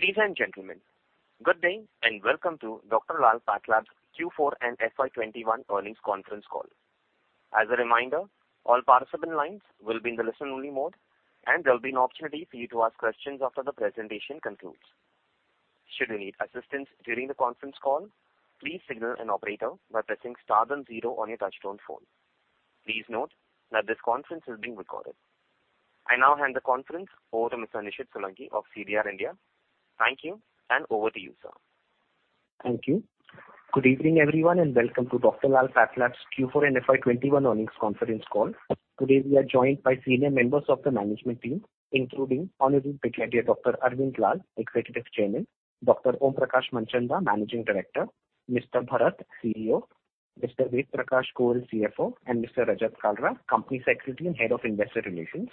Ladies and gentlemen, good day and welcome to Dr. Lal PathLabs Q4 and FY 2021 Earnings Conference Call. As a reminder, all participant lines will be in the listen-only mode, and there will be an opportunity for you to ask questions after the presentation concludes. Should you need assistance during the conference call, please signal an operator by pressing star then zero on your touchtone phone. Please note that this conference is being recorded. I now hand the conference over to Mr. Nishit Solanki of CDR India. Thank you, and over to you, sir. Thank you. Good evening, everyone, and welcome to Dr. Lal PathLabs Q4 and FY 2021 Earnings Conference Call. Today, we are joined by senior members of the management team, including honorable patriarch Dr. Arvind Lal, Executive Chairman, Dr. Om Prakash Manchanda, Managing Director, Mr. Bharat, CEO, Mr. Ved Prakash Goel, CFO, and Mr. Rajat Kalra, Company Secretary and Head of Investor Relations.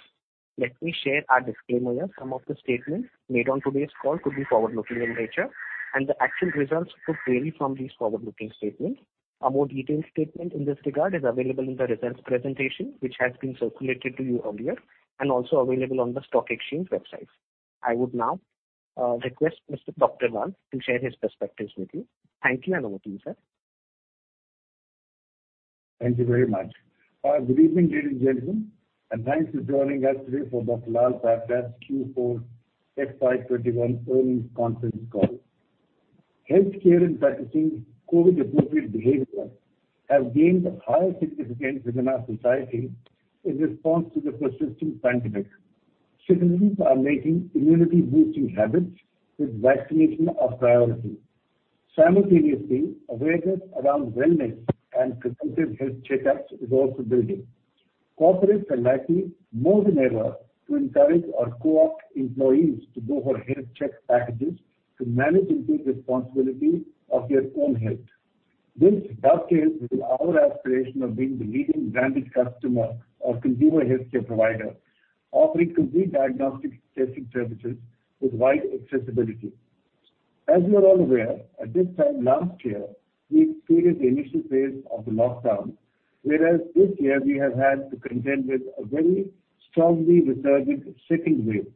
Let me share our disclaimer. Some of the statements made on today's call could be forward-looking in nature, and the actual results could vary from these forward-looking statements. A more detailed statement in this regard is available in the results presentation, which has been circulated to you earlier and also available on the stock exchange website. I would now request Dr. Lal to share his perspectives with you. Thank you, and over to you, sir. Thank you very much. Good evening, ladies and gentlemen, and thanks for joining us today for Dr. Lal PathLabs Q4 FY 2021 Earnings Conference Call. Healthcare and practicing COVID-appropriate behavior have gained higher significance within our society in response to the persisting pandemic. Citizens are making immunity-boosting habits with vaccination a priority. Simultaneously, awareness around wellness and preventive health checkups is also building. Corporates are likely more than ever to encourage or co-opt employees to go for health check packages to manage and take responsibility of their own health. This dovetails with our aspiration of being the leading branded customer of consumer healthcare provider, offering complete diagnostic testing services with wide accessibility. As you are all aware, at this time last year, we experienced the initial phase of the lockdown, whereas this year we have had to contend with a very strongly resurgent second wave.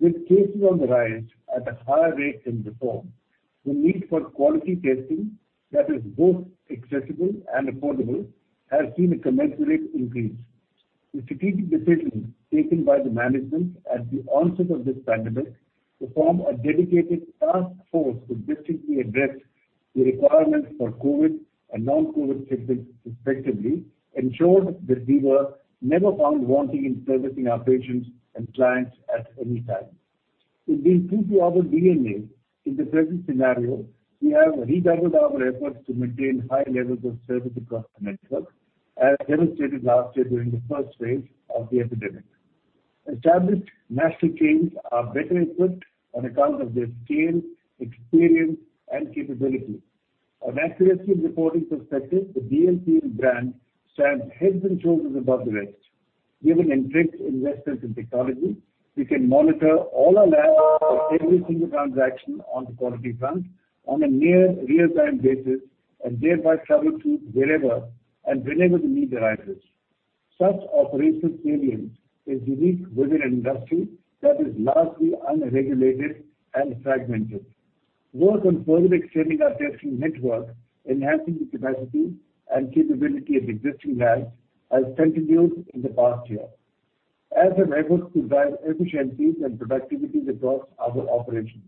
With cases on the rise at a higher rate than before, the need for quality testing that is both accessible and affordable has seen a commensurate increase. The strategic decisions taken by the management at the onset of this pandemic to form a dedicated task force to distinctly address the requirements for COVID and non-COVID testing respectively ensured that we were never found wanting in servicing our patients and clients at any time. It being true to our DNA, in the present scenario, we have redoubled our efforts to maintain high levels of service across the network as demonstrated last year during the first phase of the epidemic. Established national chains are better equipped on account of their scale, experience, and capability. On accuracy and reporting perspective, the DLPL brand stands heads and shoulders above the rest. Given intrinsic investments in technology, we can monitor all our labs for every single transaction on the quality front on a near real-time basis, and thereby troubleshoot wherever and whenever the need arises. Such operational resilience is unique within an industry that is largely unregulated and fragmented. Work on further extending our testing network, enhancing the capacity and capability of existing labs has continued in the past year, as have efforts to drive efficiencies and productivity across our operations.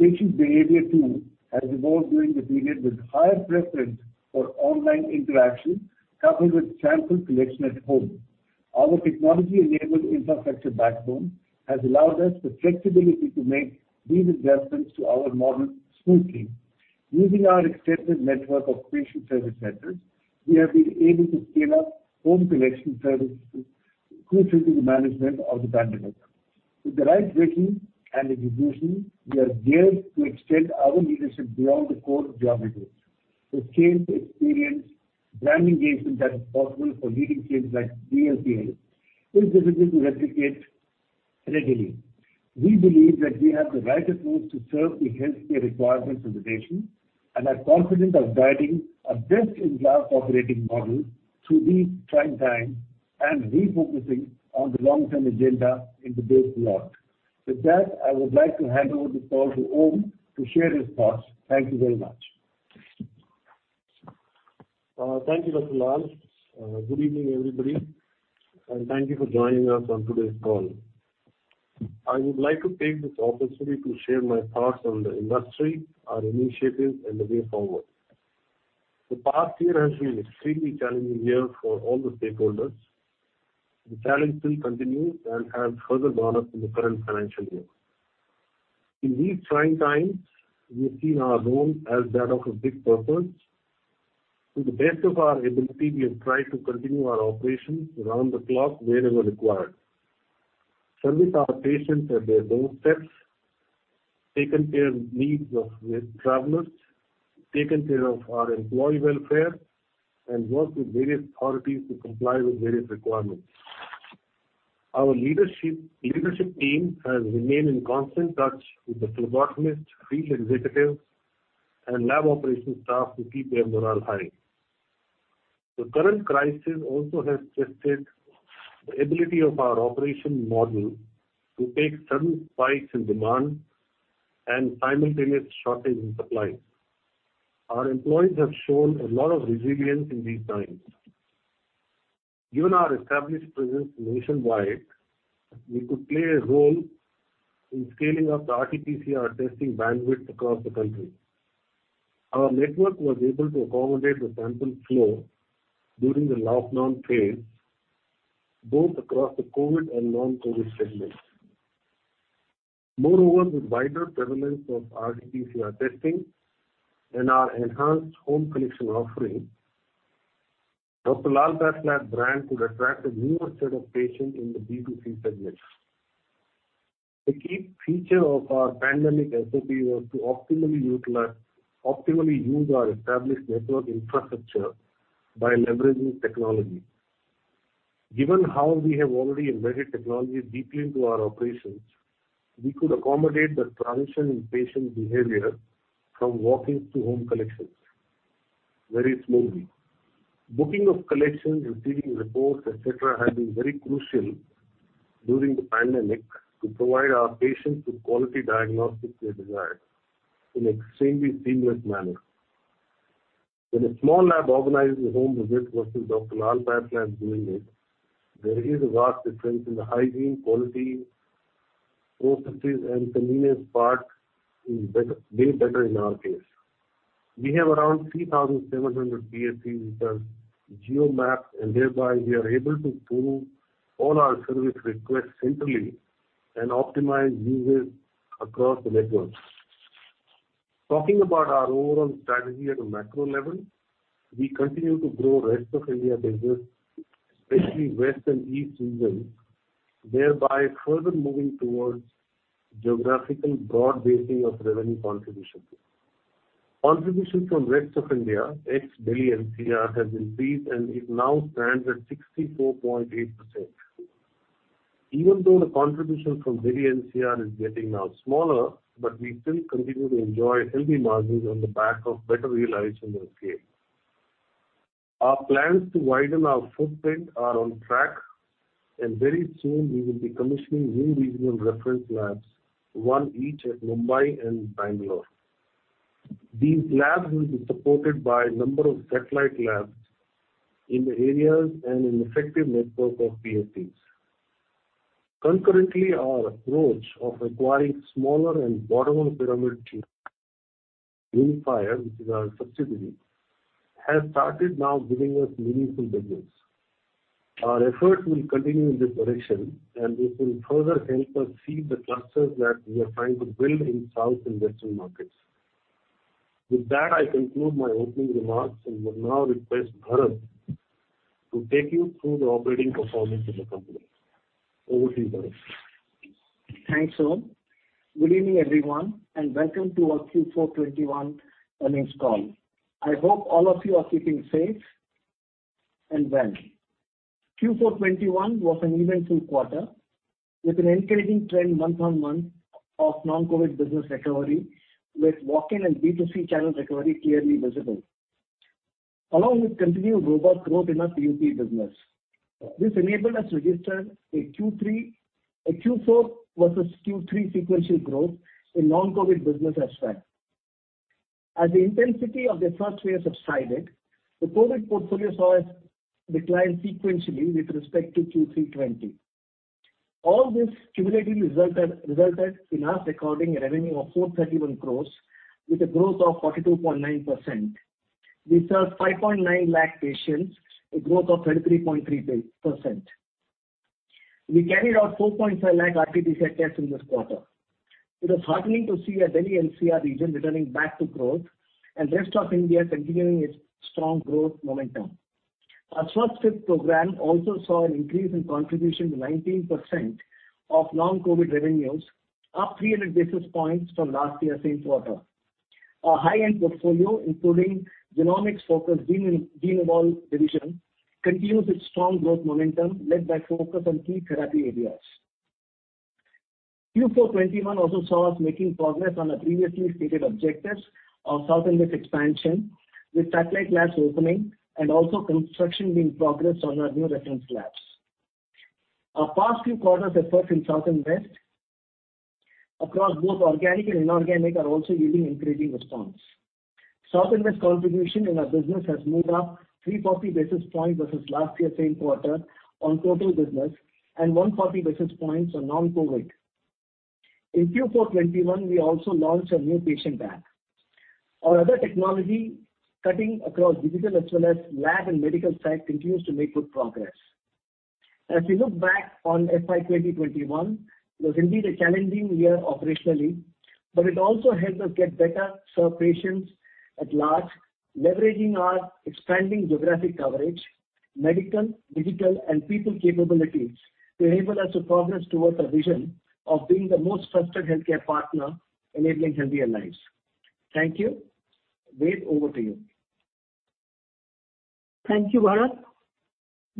Patient behavior too has evolved during this period with higher preference for online interaction coupled with sample collection at home. Our technology-enabled infrastructure backbone has allowed us the flexibility to make these adjustments to our model smoothly. Using our extensive network of Patient Service Centers, we have been able to scale up home collection services crucial to the management of the pandemic. With the right vision and execution, we are geared to extend our leadership beyond the core geographies. The scale, experience, brand engagement that is possible for leading chains like DLPL is difficult to replicate readily. We believe that we have the right approach to serve the healthcare requirements of the nation and are confident of guiding our best-in-class operating model through these trying times and refocusing on the long-term agenda in the days to come. With that, I would like to hand over this call to Om to share his thoughts. Thank you very much. Thank you, Dr. Lal. Good evening, everybody, and thank you for joining us on today's call. I would like to take this opportunity to share my thoughts on the industry, our initiatives, and the way forward. The past year has been extremely challenging year for all the stakeholders. The challenge still continues and has further gone up in the current financial year. In these trying times, we have seen our role as that of a big purpose. To the best of our ability, we have tried to continue our operations around the clock wherever required, service our patients at their doorsteps, taken care of needs of travelers, taken care of our employee welfare, and worked with various authorities to comply with various requirements. Our leadership team has remained in constant touch with the phlebotomists, field executives, and lab operation staff to keep their morale high. The current crisis also has tested the ability of our operation model to take sudden spikes in demand and simultaneous shortage in supply. Our employees have shown a lot of resilience in these times. Given our established presence nationwide, we could play a role in scaling up the RT-PCR testing bandwidth across the country. Our network was able to accommodate the sample flow during the lockdown phase, both across the COVID and non-COVID segments. Moreover, with wider prevalence of RT-PCR testing and our enhanced home collection offering, Dr. Lal PathLabs brand could attract a newer set of patients in the B2C segment. A key feature of our pandemic SOP was to optimally use our established network infrastructure by leveraging technology. Given how we have already embedded technology deeply into our operations, we could accommodate the transition in patient behavior from walk-ins to home collections very smoothly. Booking of collections, receiving reports, et cetera, has been very crucial during the pandemic to provide our patients with quality diagnostics they desire in extremely seamless manner. When a small lab organizes a home visit versus Dr. Lal PathLabs doing it, there is a vast difference in the hygiene quality, processes, and convenience part is way better in our case. We have around 3,700 PSCs which are geo-mapped, and thereby we are able to pool all our service requests centrally and optimize visits across the network. Talking about our overall strategy at a macro level, we continue to grow rest of India business, especially west and east regions, thereby further moving towards geographical broad-basing of revenue contribution. Contribution from rest of India, ex-Delhi NCR, has increased and it now stands at 64.8%. Even though the contribution from Delhi NCR is getting now smaller, but we still continue to enjoy healthy margins on the back of better realization of care. Our plans to widen our footprint are on track, and very soon we will be commissioning new regional reference labs, one each at Mumbai and Bangalore. These labs will be supported by a number of satellite labs in the areas and an effective network of PSCs. Concurrently, our approach of acquiring smaller and bottom-of-pyramid teams, Greenfire, which is our subsidiary, has started now giving us meaningful business. Our efforts will continue in this direction, and this will further help us seed the clusters that we are trying to build in south and western markets. With that, I conclude my opening remarks and would now request Bharat to take you through the operating performance of the company. Over to you, Bharat. Thanks, Om. Good evening, everyone, and welcome to our Q4 2021 earnings call. I hope all of you are keeping safe and well. Q4 2021 was an eventful quarter with an encouraging trend month-on-month of non-COVID business recovery, with walk-in and B2C channel recovery clearly visible, along with continued robust growth in our B2B business. This enabled us registered a Q4 versus Q3 sequential growth in non-COVID business as well. As the intensity of the first wave subsided, the COVID portfolio saw a decline sequentially with respect to Q3 2020. All this cumulatively resulted in us recording a revenue of 431 crore with a growth of 42.9%. We served 5.9 lakh patients, a growth of 33.3%. We carried out 4.7 lakh RT-PCR tests in this quarter. It was heartening to see our Delhi NCR region returning back to growth and rest of India continuing its strong growth momentum. Our Swasthfit program also saw an increase in contribution to 19% of non-COVID revenues, up 300 basis points from last year same quarter. Our high-end portfolio, including genomics-focused Genevolve division, continues its strong growth momentum led by focus on key therapy areas. Q4 2021 also saw us making progress on our previously stated objectives of southern width expansion, with satellite labs opening and also construction being progressed on our new reference labs. Our past few quarters efforts in southern west across both organic and inorganic are also yielding encouraging response. Southern west contribution in our business has made up 340 basis points versus last year same quarter on total business and 140 basis points for non-COVID. In Q4 2021, we also launched our new patient app. Our other technology cutting across digital as well as lab and medical tech continues to make good progress. As we look back on FY 2021, it was indeed a challenging year operationally, but it also helped us get better, serve patients at large, leveraging our expanding geographic coverage, medical, digital, and people capabilities to enable us to progress towards our vision of being the most trusted healthcare partner enabling healthier lives. Thank you. Ved, over to you. Thank you, Bharat.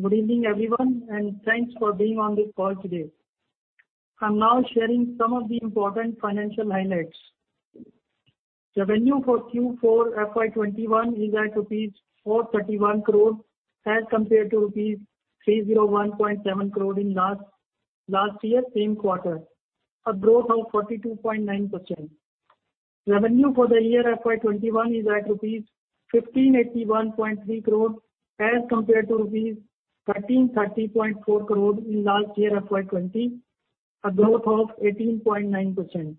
Good evening, everyone, and thanks for being on this call today. I am now sharing some of the important financial highlights. Revenue for Q4 FY 2021 is at INR 431 crore as compared to INR 301.7 crore in last year same quarter, a growth of 42.9%. Revenue for the year FY 2021 is at INR 1,581.3 crore as compared to INR 1,330.4 crore in last year FY 2020, a growth of 18.9%.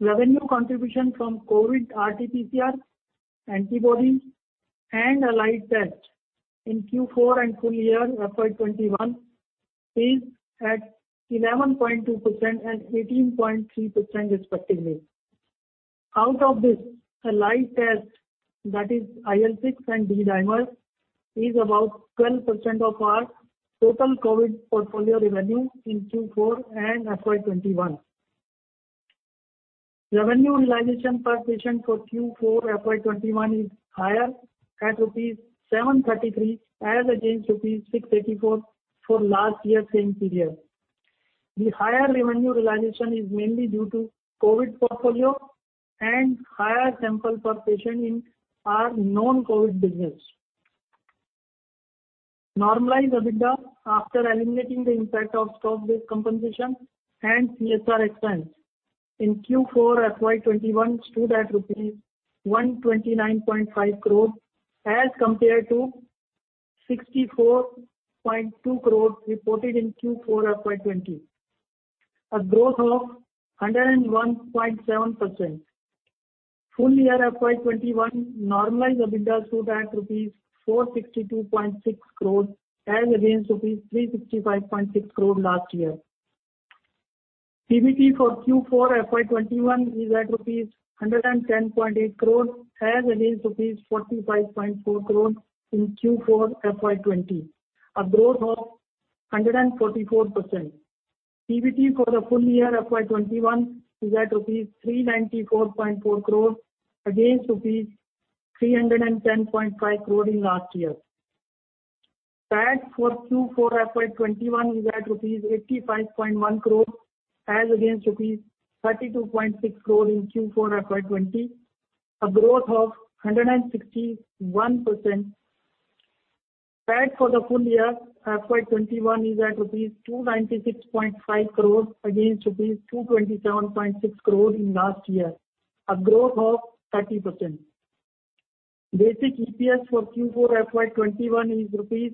Revenue contribution from COVID RT-PCR, antibody, and allied tests in Q4 and full year FY 2021 is at 11.2% and 18.3% respectively. Out of this, allied test, that is IL-6 and D-dimer, is about 10% of our total COVID portfolio revenue in Q4 and FY 2021. Revenue realization per patient for Q4 FY 2021 is higher at rupees 733 as against rupees 684 for last year same period. The higher revenue realization is mainly due to COVID portfolio and higher sample per patient in our non-COVID business. Normalized EBITDA after eliminating the impact of stock-based compensation and CSR expense in Q4 FY 2021 stood at rupees 129.5 crores as compared to 64.2 crores reported in Q4 FY 2020, a growth of 101.7%. Full year FY 2021 normalized EBITDA stood at rupees 462.6 crores as against rupees 365.6 crore last year. PBT for Q4 FY 2021 is at 110.8 crores as against rupees 45.4 crores in Q4 FY 2020, a growth of 144%. PBT for the full year FY 2021 is at rupees 394.4 crores against rupees 310.5 crore in last year. PAT for Q4 FY 2021 is at rupees 85.1 crores as against rupees 32.6 crore in Q4 FY 2020, a growth of 161%. PAT for the full year FY 2021 is at rupees 296.5 crores against rupees 227.6 crore in last year, a growth of 30%. Basic EPS for Q4 FY 2021 is rupees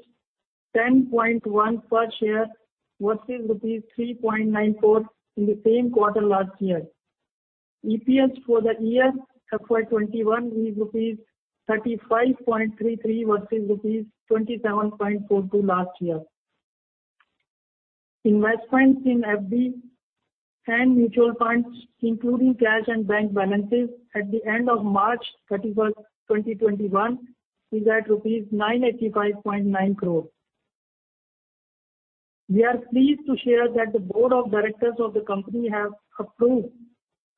10.1 per share versus rupees 3.94 in the same quarter last year. EPS for the year FY 2021 is rupees 35.33 versus rupees 27.42 last year. Investments in FD and mutual funds including cash and bank balances at the end of March 31st, 2021, is at rupees 985.9 crore. We are pleased to share that the board of directors of the company have approved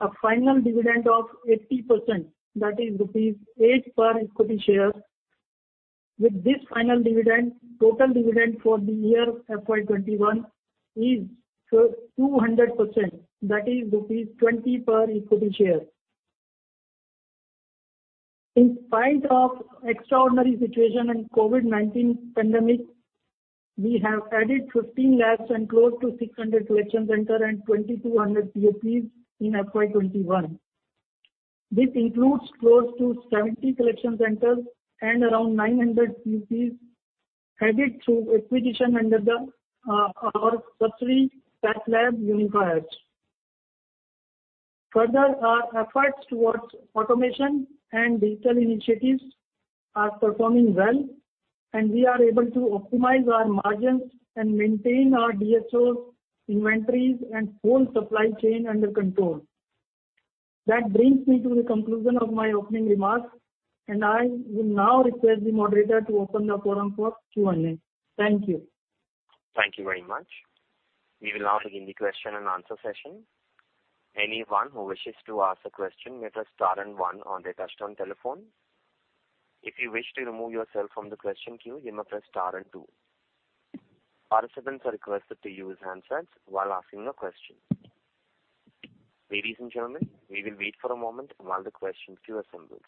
a final dividend of 80%, that is rupees 8 per equity share. With this final dividend, total dividend for the year FY 2021 is 200%, that is rupees 20 per equity share. In spite of extraordinary situation and COVID-19 pandemic, we have added 15 labs and close to 600 collection centers and 2,200 PUPs in FY 2021. This includes close to 70 collection centers and around 900 PUPs added through acquisition under our subsidiary PathLabs Unifiers. Further, our efforts towards automation and digital initiatives are performing well, and we are able to optimize our margins and maintain our DSO inventories and whole supply chain under control. That brings me to the conclusion of my opening remarks. I will now request the moderator to open the forum for Q&A. Thank you. Thank you very much. We will now begin the question and answer session. Anyone who wishes to ask a question may press star one on their touch-tone telephone. If you wish to remove yourself from the question queue, you may press star two. Participants are requested to use handsets while asking a question. Ladies and gentlemen, we will wait for a moment while the question queue assembles.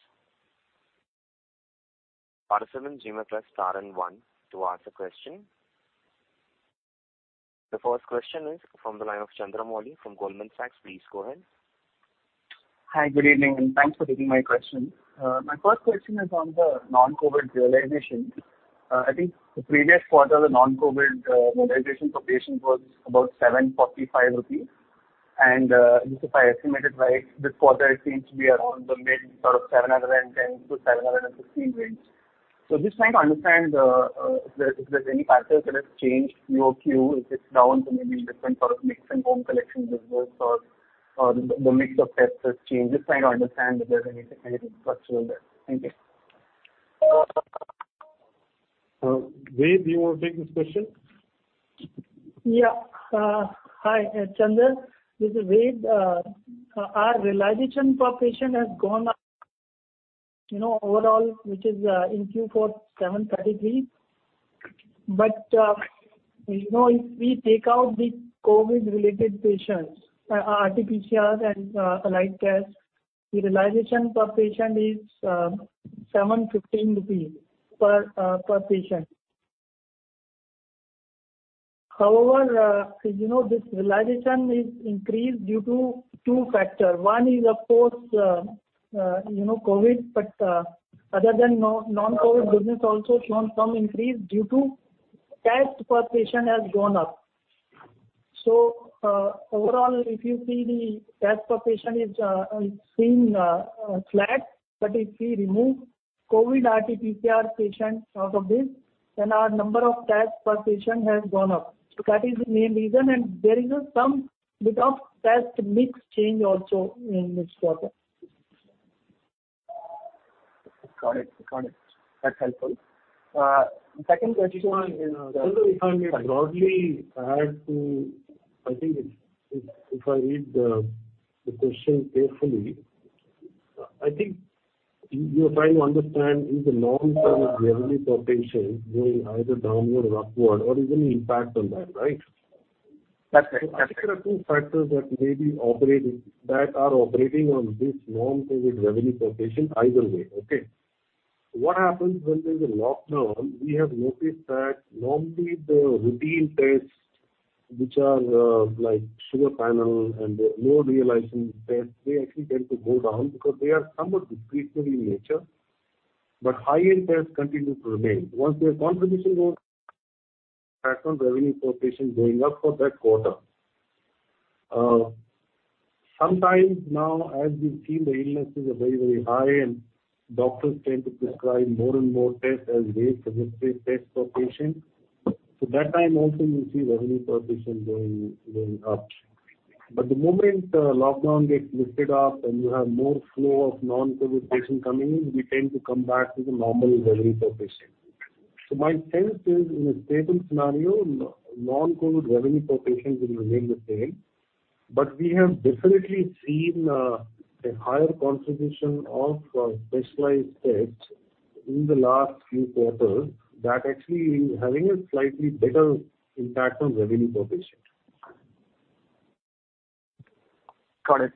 Participants you may press star one to ask a question. The first question is from the line of Chandramouli from Goldman Sachs. Please go ahead. Hi, good evening, thanks for taking my question. My first question is on the non-COVID realization. I think the previous quarter, the non-COVID realization per patient was about 745 rupees. If I estimated right, this quarter seems to be around the mid 710-715 range. Just trying to understand if there's any pattern that has changed year-over-year. Is it down to maybe different sort of mix and home collection business or the mix of tests has changed? Just trying to understand if there's anything structural there. Thank you. Ved, do you want to take this question? Yeah. Hi, Chandra, this is Ved. Our realization per patient has gone up. Overall, which is in Q4, 733. If we take out the COVID-related patients, RT-PCR and alike tests, the realization per patient is 715 rupees per patient. However, this realization is increased due to two factors. One is, of course, COVID, other than non-COVID business also shown some increase due to tests per patient has gone up. Overall, if you see the tests per patient is seeing flat, if we remove COVID RT-PCR patients out of this, our number of tests per patient has gone up. That is the main reason there is some bit of test mix change also in this quarter. Got it, that's helpful. Second question If I may broadly add to I think if I read the question carefully, I think you are trying to understand is the non-COVID revenue per patient going either downward or upward or is any impact on that, right? That's right. I think there are two factors that are operating on this non-COVID revenue per patient either way, okay? What happens when there is a lockdown, we have noticed that normally the routine tests, which are like sugar panel and lower realization tests, they actually tend to go down because they are somewhat discreet in nature, but high-end tests continue to remain. Once their contribution goes pattern revenue per patient going up for that quarter. Sometimes now, as we've seen, the illnesses are very, very high and doctors tend to prescribe more and more tests as they test per patient. That time also you see revenue per patient going up. The moment lockdown gets lifted up and you have more flow of non-COVID patients coming in, we tend to come back to the normal revenue per patient. My sense is in a stable scenario, non-COVID revenue per patient will remain the same, but we have definitely seen a higher contribution of specialized tests in the last few quarters that actually is having a slightly better impact on revenue per patient. Got it.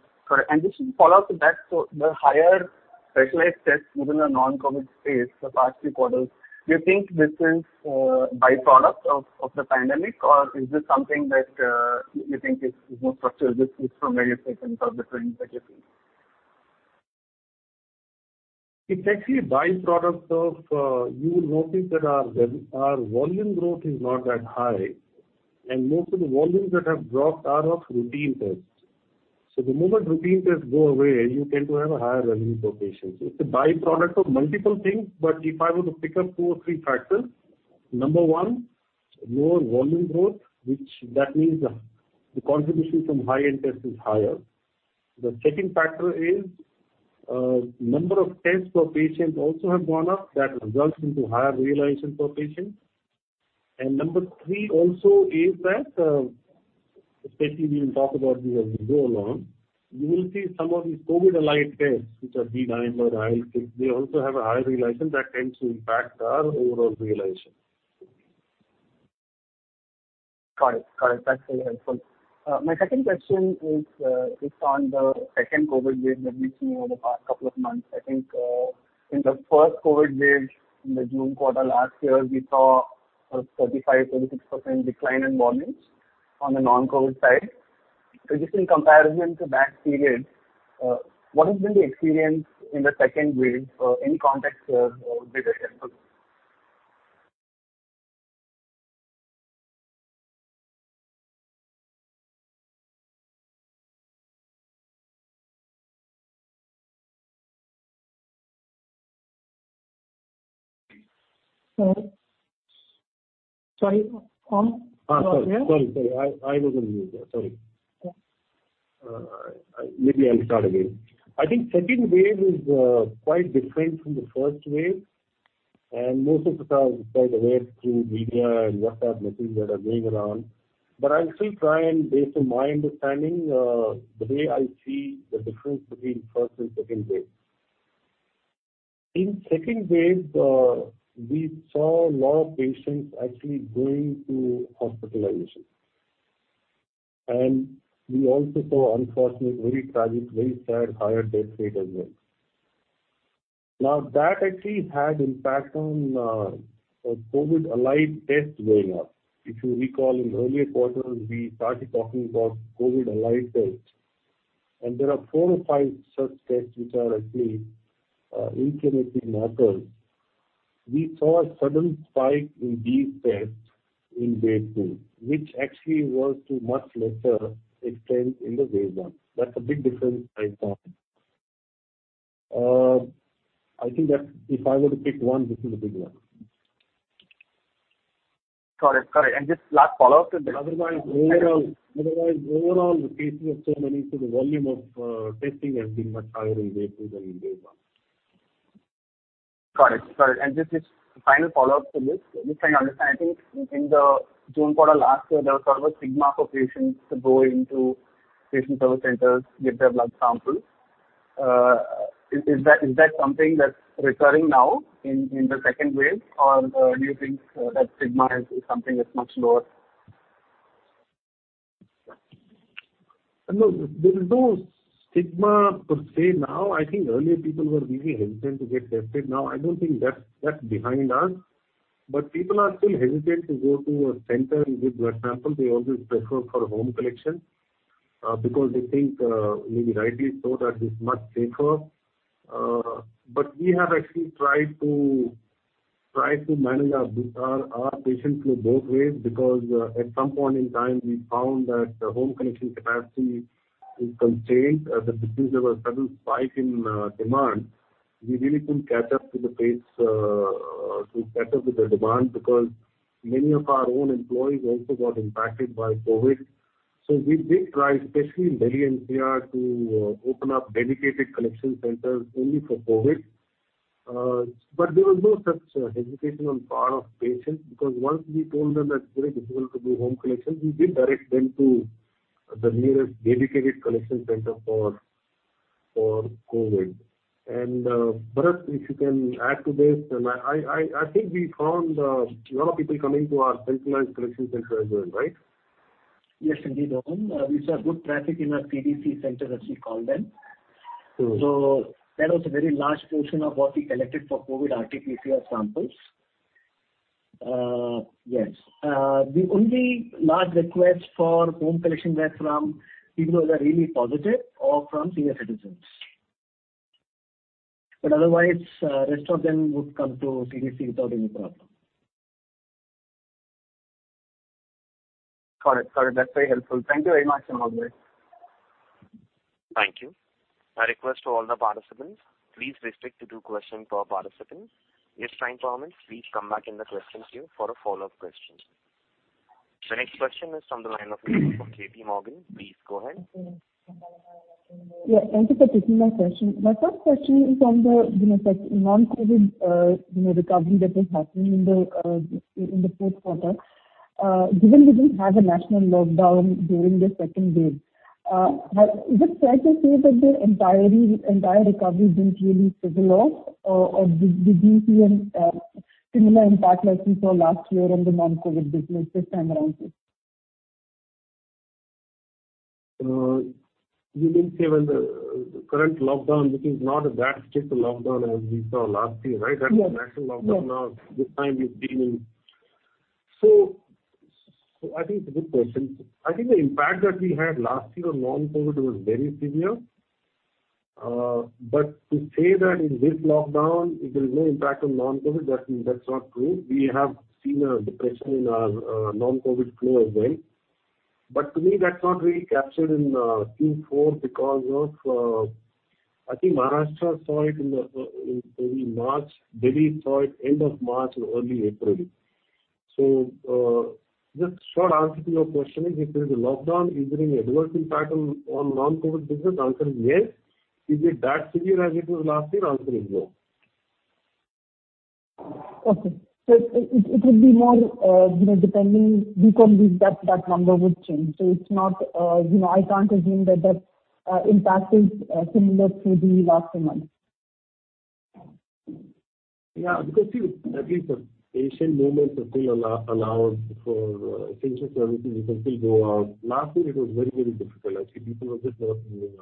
Just to follow up to that, the higher specialized tests within a non-COVID space the past few quarters, do you think this is a byproduct of the pandemic or is this something that you think is more structural different factors? It's actually a byproduct of, you would notice that our volume growth is not that high, and most of the volumes that have dropped are of routine tests. The moment routine tests go away, you tend to have a higher revenue per patient. It's a byproduct of multiple things, but if I were to pick up two or three factors, number one, lower volume growth, that means the contribution from high-end tests is higher. The second factor is number of tests per patient also have gone up that results into higher realization per patient. Number three also is that, especially we will talk about this as we go along, you will see some of these COVID-aligned tests, which are D-dimer, IL-6, they also have a higher realization that tends to impact our overall realization. Got it. That's very helpful. My second question is on the second COVID wave that we've seen over the past couple of months. I think in the first COVID wave, in the June quarter last year, we saw a 35%-36% decline in volumes on the non-COVID side. Just in comparison to that period, what has been the experience in the second wave? Any context there would be very helpful. Sorry, Om? You are here? Sorry I was on mute. Sorry. Maybe I'll start again. I think second wave is quite different from the first wave. Most of us are quite aware through media and WhatsApp messages that are going around. I'll still try and base on my understanding, the way I see the difference between first and second waves. In second waves, we saw a lot of patients actually going to hospitalization. We also saw unfortunate, very tragic, very sad, higher death rate as well. That actually had impact on COVID-aligned tests going up. If you recall, in earlier quarters, we started talking about COVID-aligned tests. There are four or five such tests which are actually intimately mapped out. We saw a sudden spike in these tests in wave 2, which actually was to much lesser extent in the wave 1. That's a big difference I found. I think that if I were to pick one, this is a big one. Got it. Just last follow-up to that. Overall, the cases are so many, so the volume of testing has been much higher in wave 2 than in wave 1. Correct. Just a final follow-up to this. Just trying to understand, I think in the June quarter last year, there was sort of a stigma for patients to go into Patient Service Centers to get their blood samples. Is that something that's recurring now in the second wave, or do you think that stigma is something that's much lower? No, there is no stigma to say now. I think earlier people were really hesitant to get tested. Now, I don't think that's behind us. People are still hesitant to go to a center and give their sample. They always prefer for home collection because they think, maybe rightly so, that it's much safer. We have actually tried to manage our patients through both ways, because at some point in time, we found that home collection capacity is contained. As the business had a sudden spike in demand, we really couldn't catch up to the pace, to catch up with the demand because many of our own employees also got impacted by COVID. We did try, especially in Delhi NCR, to open up dedicated collection centers only for COVID. There was no such hesitation on the part of patients, because once we told them that it's very difficult to do home collection, we did direct them to the nearest dedicated collection center for COVID. Bharat, if you can add to this. I think we found a lot of people coming to our centralized collection centers as well, right? Yes, indeed, Om. We saw good traffic in our CDC centers, as we call them. True. That was a very large portion of what we collected for COVID RT-PCR samples. Yes. The only large requests for home collection were from people who are really positive or from senior citizens. Otherwise, rest of them would come to CDC without any problem. Got it, that's very helpful. Thank you very much, (mohammed). Thank you. I request to all the participants, please restrict to two questions per participant. If time permits, please come back in the question queue for follow-up questions. The next question is from the line of Neha for JPMorgan. Please go ahead. Yeah, thank you for taking my question. My first question is on the non-COVID-19 recovery that was happening in the fourth quarter. Given we didn't have a national lockdown during the second wave. Is it fair to say that the entire recovery has been really similar, or did we see a similar impact like we saw last year on the non-COVID-19 business this time also? You mean, say, when the current lockdown, which is not a drastic lockdown as we saw last year, right? Yes. That was a national lockdown. I think it's a good question. I think the impact that we had last year on non-COVID was very severe. To say that in this lockdown, there is no impact on non-COVID, that's not true. We have seen a depression in our non-COVID flow as well. To me, that's not really captured in Q4 because of, I think Maharashtra saw it in March. Delhi saw it end of March and early April. Just a short answer to your question is, if there's a lockdown, is there any adverse impact on non-COVID business? Answer is yes. Is it that severe as it was last year? Answer is no. Okay. It could be more depending, we could leave that number would change. I can't assume that that impact is similar to the last time. Yeah. At least patients are still allowed for essential services, they can still go out. Last year it was very difficult. Actually, people were sitting at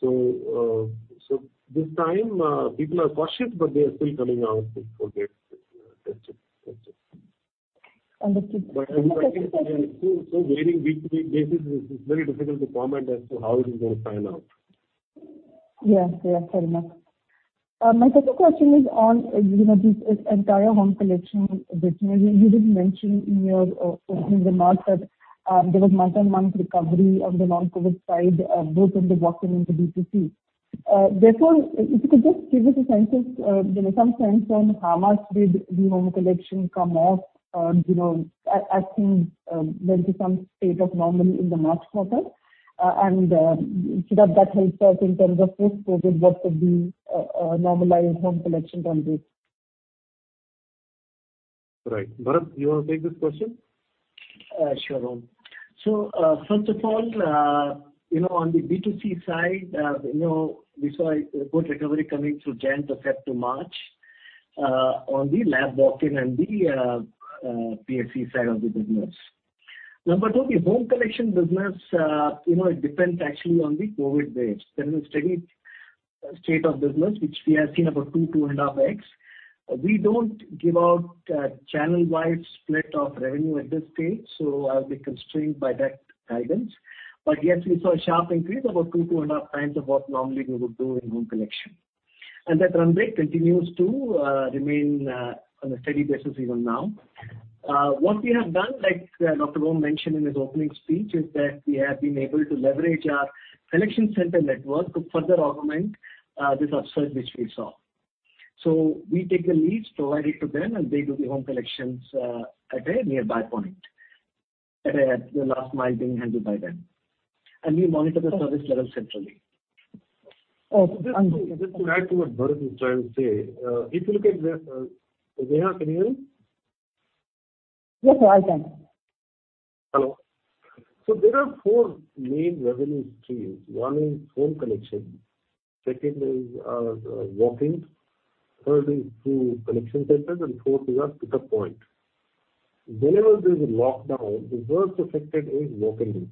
home. This time people are cautious, but they are still coming out to procure tests. That's it. Understood. I think still very difficult to comment as to how it is going to pan out. Yes fair enough. My second question is on this entire home collection business. You did mention in your opening remarks that there was month-on-month recovery on the non-COVID side, both in the walk-in and the B2C. If you could just give us a sense of how much did the home collection come off at least when it comes to state of normal in the March quarter, and if that helps us in terms of post-COVID, what could be a normalized home collection run rate? Right. Bharat, do you want to take this question? Sure, Om. First of all, on the B2C side, we saw a good recovery coming through Jan, Feb to March on the lab walk-in and the PSCs side of the business. Number two, the home collection business, it depends actually on the COVID-19 waves. There's a steady state of business, which we have seen about 2.5x. We don't give out channel-wide split of revenue at this stage, so I'll be constrained by that guidance. Yes, we saw a sharp increase, about 2.5 times of what normally we would do in home collection. That run rate continues to remain on a steady basis even now. What we have done, like Dr. Om mentioned in his opening speech, is that we have been able to leverage our collection center network to further augment this upsurge which we saw. We take the leads, provide it to them, and they do the home collections at a nearby point. At the last mile being handed by them, and we monitor the service level centrally. Just to add to what Bharat is trying to say. Neha, can you hear me? Yes, I can. Hello. There are four main revenue streams. One is home collection, second is walk-ins, third is through collection centers, and fourth is our pickup point. Whenever there is a lockdown, the worst affected is walk-ins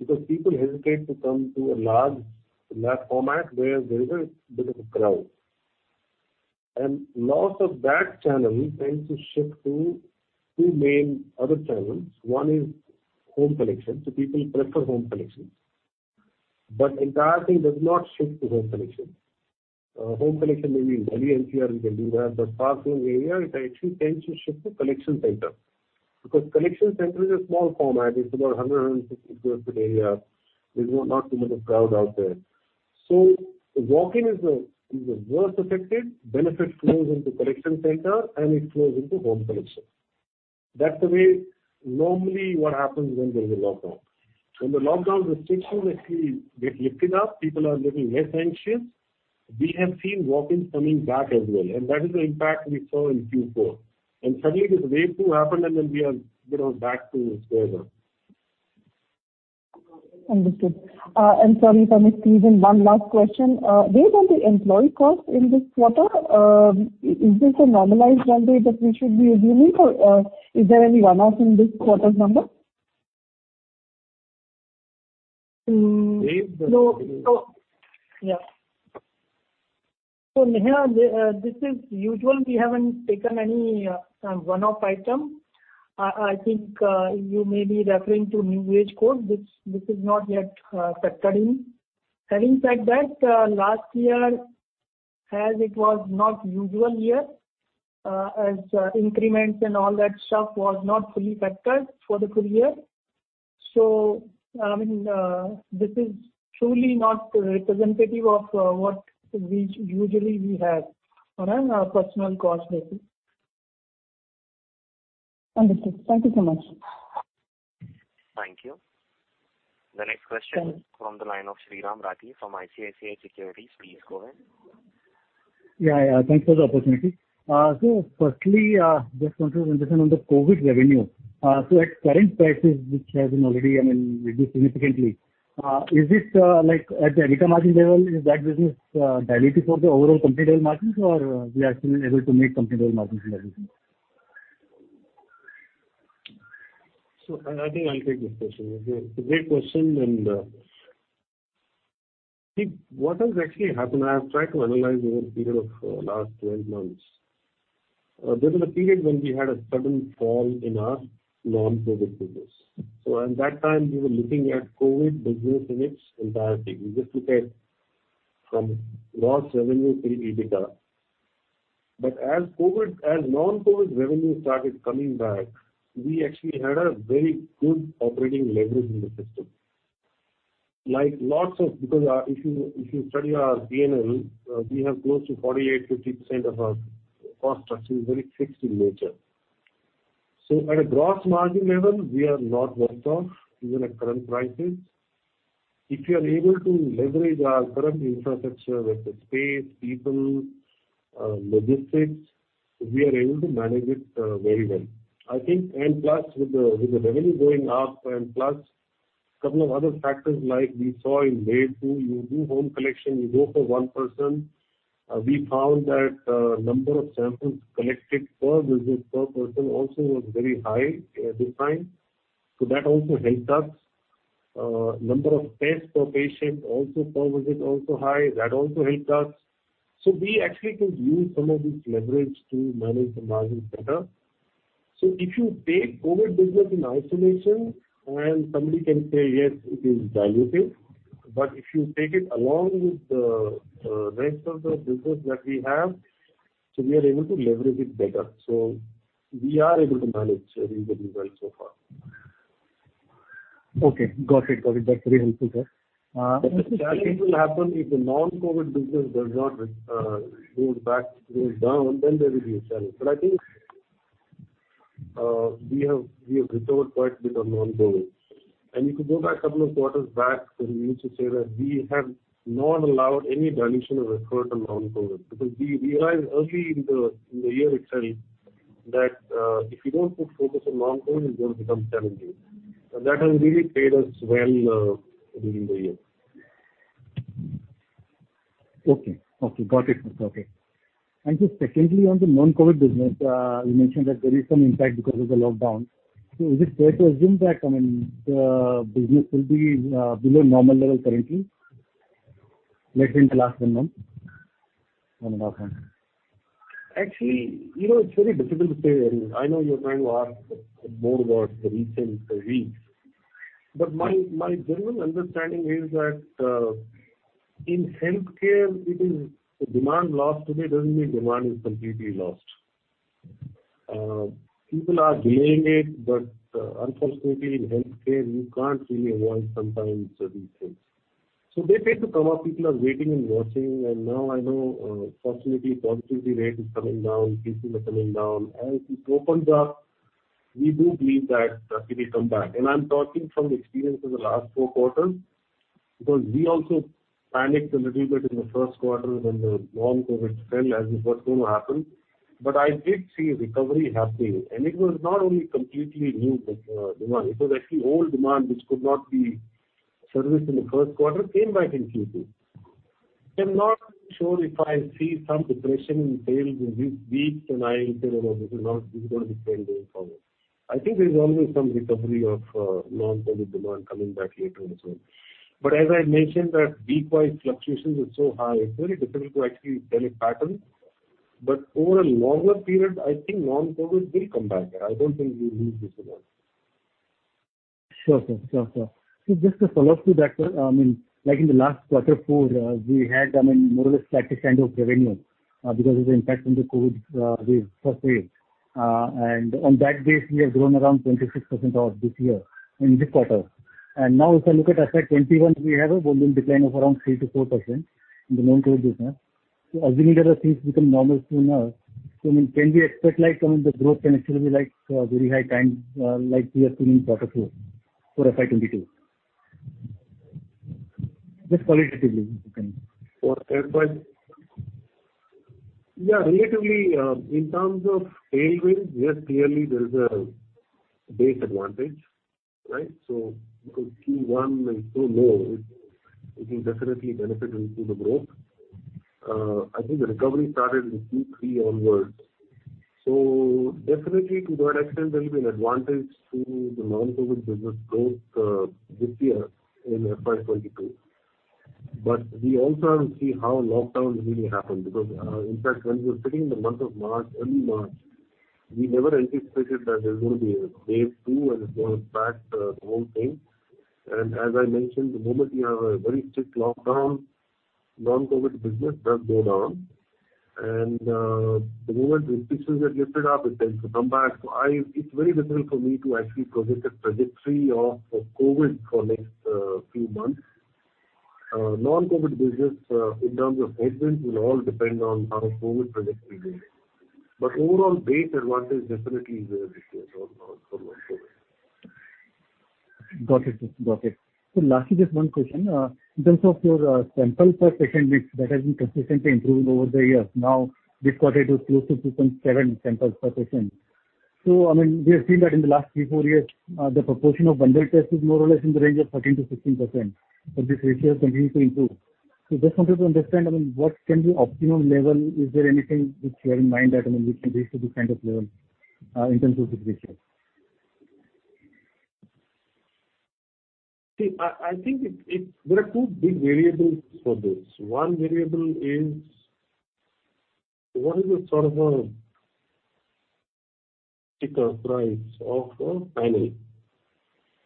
because people hesitate to come to a large format where there is a bit of a crowd. Lots of that channel tends to shift to two main other channels. One is home collection. People prefer home collection, but the entire thing does not shift to home collection. Home collection may be Delhi NCR or Bengaluru, but far-flung area, it actually tends to shift to collection center. Collection center is a small format. It's about 150 sq ft area. There's not too much crowd out there. Walk-in is the worst affected. Benefit flows into collection center, and it flows into home collection. That's the way normally what happens when there's a lockdown. When the lockdown restrictions actually get lifted up, people are getting less anxious. We have seen walk-ins coming back as well, and that is the impact we saw in Q4. Suddenly with wave two happened, and then we are back to square one. Understood. Sorry, forgive me, one last question. Based on the employee cost in this quarter, is this a normalized number that we should be assuming, or is there any one-off in this quarter's numbers? Neha, this is usual. We haven't taken any one-off item. I think you may be referring to new wage code, which is not yet factoring. Settings like that last year, as it was not usual year as increments and all that stuff was not fully factored for the full year. This is truly not representative of what usually we have on our personal cost basis. Understood. Thank you so much. Thank you. The next question is from the line of Shyam Srinivasan from ICICI Securities. Please go ahead. Yeah, thanks for the opportunity. Firstly, just wanted to listen on the COVID revenue. At current prices, is it at EBITDA margin level that this is dilutive for the overall consolidated margins or we are actually able to make consolidated margin leveraging? I think I'll take this question. It's a great question, and I think what has actually happened, I've tried to analyze over a period of last 12 months. There was a period when we had a sudden fall in our non-COVID business. At that time, we were looking at COVID business in its entirety. We just looked at from gross revenue till EBITDA. As non-COVID revenue started coming back, we actually had a very good operating leverage in the system. If you study our P&L, we have close to 48%-50% of our cost structure is very fixed in nature. At a gross margin level, we are not worse off even at current prices. If we are able to leverage our current infrastructure, like the space, people, logistics, we are able to manage it very well. I think, plus with the revenue going up and plus couple of other factors like we saw in wave 2, you do home collection, you go for one person. We found that number of samples collected per visit per person also was very high that time. That also helped us. Number of tests per patient also per visit also high, that also helped us. We actually could use some of this leverage to manage the margin better. If you take COVID business in isolation, well, somebody can say, yes, it is dilutive, but if you take it along with the rest of the business that we have, so we are able to leverage it better. We are able to manage the result so far. Okay, got it. That's very useful. That will happen if the non-COVID business does not go down, then there will be a challenge. I think we have recovered quite a bit of non-COVID. If you go back a couple of quarters back, we used to say that we have not allowed any dilution of EPS on non-COVID because we realized early in the year itself that if you don't put focus on non-COVID, it's going to become challenging. That has really paid us well during the year. Okay, got it. Thank you. Secondly, on the non-COVID business, you mentioned that there is some impact because of the lockdown. Is it fair to assume that the business will be below normal level currently, late in Q1 financial? Actually, it's very difficult to say. I know you're trying to ask more towards the recent wave. My general understanding is that in healthcare, if the demand is lost today, doesn't mean demand is completely lost. People are delaying it, but unfortunately, in healthcare, you can't really avoid sometimes certain things. They tend to come up. People are waiting and watching. Now I know fortunately positivity rate is coming down, cases are coming down. As it opens up, we do believe that it will come back. I'm talking from the experience of the last four quarters, because we also panicked a little bit in the first quarter when the non-COVID fell as it was going to happen. I did see recovery happening, and it was not only completely new demand. It was actually old demand which could not be serviced in the first quarter came back in Q2. I'm not sure if I see some depression in tails in this week and I will say, "No, this is going to be trend going forward." I think there's always some recovery of non-COVID demand coming back later on as well. As I mentioned that week-wise fluctuations are so high, it's very difficult to actually tell a pattern. Over a longer period, I think non-COVID will come back. I don't think we'll lose this demand. Sure, sir. Just a follow-up to that, sir. In the last quarter four, we had more or less flat kind of revenue because of the impact from the COVID-19 first wave. On that base, we have grown around 26% odd this year in this quarter. Now if I look at FY 2021, we have a volume decline of around 3%-4% in the non-COVID-19 business. Assuming that the things become normal sooner, can we expect the growth can actually be very high times like we have seen in quarter four for FY 2022? Just qualitatively, if you can. For FY 2022. Yeah, relatively, in terms of tailwinds, yes, clearly there is a base advantage. Q1 is so low, it will definitely benefit into the growth. I think the recovery started in Q3 onwards. Definitely to that extent, there will be an advantage to the non-COVID business growth this year in FY 2022. We also have to see how lockdown really happens, because in fact, when we were sitting in the month of March, early March, we never anticipated that there's going to be a wave two and it's going to impact the whole thing. As I mentioned, the moment we have a very strict lockdown, non-COVID business does go down. The moment restrictions are lifted up, it tends to come back. It's very difficult for me to actually project a trajectory of COVID for next few months. Non-COVID business in terms of headwind will all depend on how COVID trajectory goes. Overall base advantage definitely is there this year for non-COVID. Got it. Sir, lastly, just one question. In terms of your samples per patient mix, that has been consistently improving over the years. This quarter, it was close to 2.7 samples per patient. We have seen that in the last three, four years, the proportion of bundled tests is more or less in the range of 13%-16%. This ratio has continued to improve. Just wanted to understand what can be optimum level. Is there anything which you have in mind that we can reach to this kind of level in terms of this ratio? See, I think there are two big variables for this. One variable is what is the sort of a ticker price of a panel.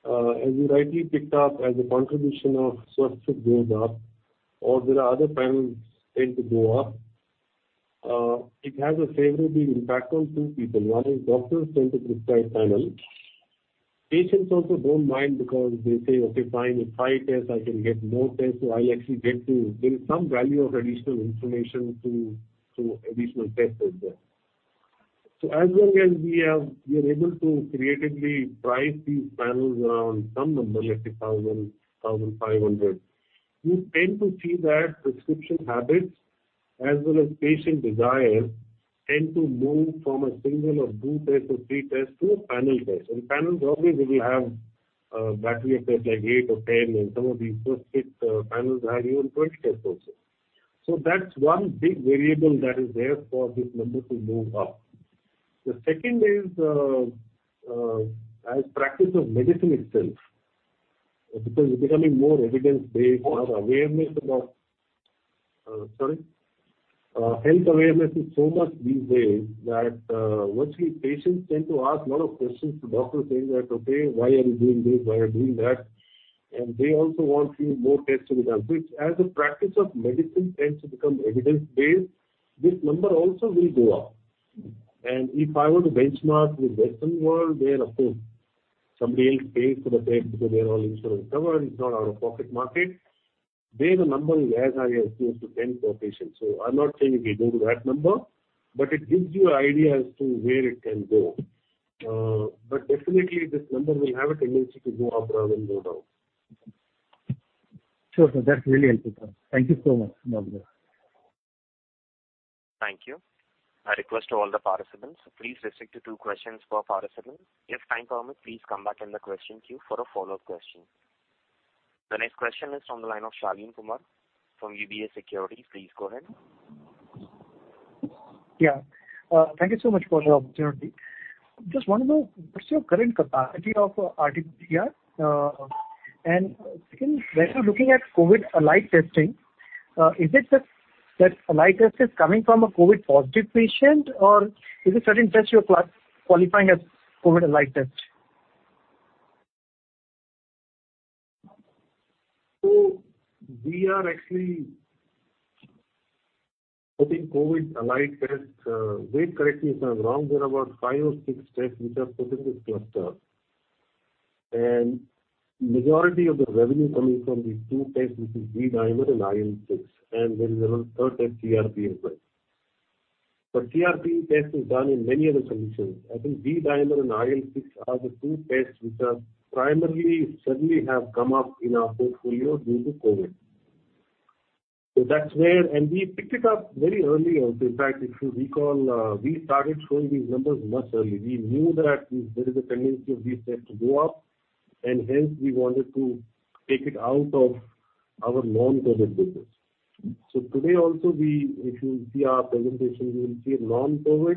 As you rightly picked up, as the contribution of Swasthfit goes up or there are other panels tend to go up, it has a favorable impact on two people. One is doctors tend to prescribe panels. Patients also don't mind because they say, "Okay, fine. If I test, I can get more tests." There is some value of additional information to additional tests as well. As long as we are able to creatively price these panels around some number, let's say 1,000, 1,500, you tend to see that prescription habits as well as patient desire tend to move from a single or two tests or three tests to a panel test. Panels always will have a battery of tests like eight or 10, and some of these Swasthfit panels have even 20 tests also. That's one big variable that is there for this number to move up. The second is as practice of medicine itself, because it's becoming more evidence-based. More awareness about. Sorry. Health awareness is so much these days that virtually patients tend to ask lot of questions to doctors saying that, "Okay, why are you doing this? Why are you doing that?" They also want few more tests to be done. As the practice of medicine tends to become evidence-based, this number also will go up. If I were to benchmark with Western world, there of course, somebody else pays for the test because they are all insurance cover and it's not out-of-pocket market. There the number is as high as close to 10 per patient. I'm not saying we will go to that number, but it gives you idea as to where it can go. Definitely this number will have a tendency to go up rather than go down. Sure, sir. That's really helpful. Thank you so much. Thank you. I request to all the participants, please restrict to two questions per participant. If time permits, please come back in the question queue for a follow-up question. The next question is from the line of Shaleen Kumar from UBS Securities. Please go ahead. Yeah. Thank you so much for the opportunity. Just want to know what's your current capacity of RT-PCR. Second, when you're looking at COVID-alike testing, is it that alike test is coming from a COVID positive patient or is it certain tests you are qualifying as COVID-alike test? We are actually, I think, COVID-aligned tests, if I am correct, there are around five or six tests which are put in this cluster. Majority of the revenue coming from these two tests, which is D-dimer and IL-6, and there is around third test, CRP, as well. CRP test is done in many other conditions. I think D-dimer and IL-6 are the two tests which are primarily suddenly have come up in our portfolio due to COVID. We picked it up very early on. In fact, if you recall, we started showing these numbers much early. We knew that there is a tendency for these tests to go up, and hence we wanted to take it out of our non-COVID business. Today also, if you see our presentation, you will see non-COVID,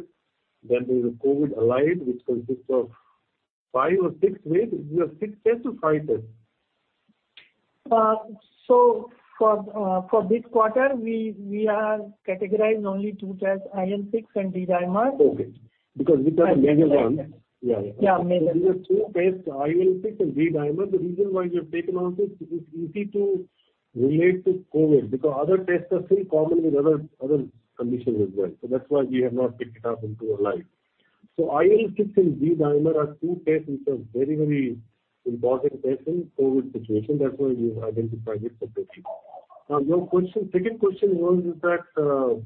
then there's a COVID-aligned, which consists of five or six tests. Is it six tests or five tests? For this quarter, we are categorizing only two tests, IL-6 and D-dimer. Okay. Because these are major ones. Yeah, major. These are two tests, IL-6 and D-dimer. The reason why we have taken on this is it's easy to relate to COVID, because other tests are still common with other conditions as well. That's why we have not taken up into our lives. IL-6 and D-dimer are two tests which are very important tests in COVID situation. That's why we have identified it separately. Your second question was that,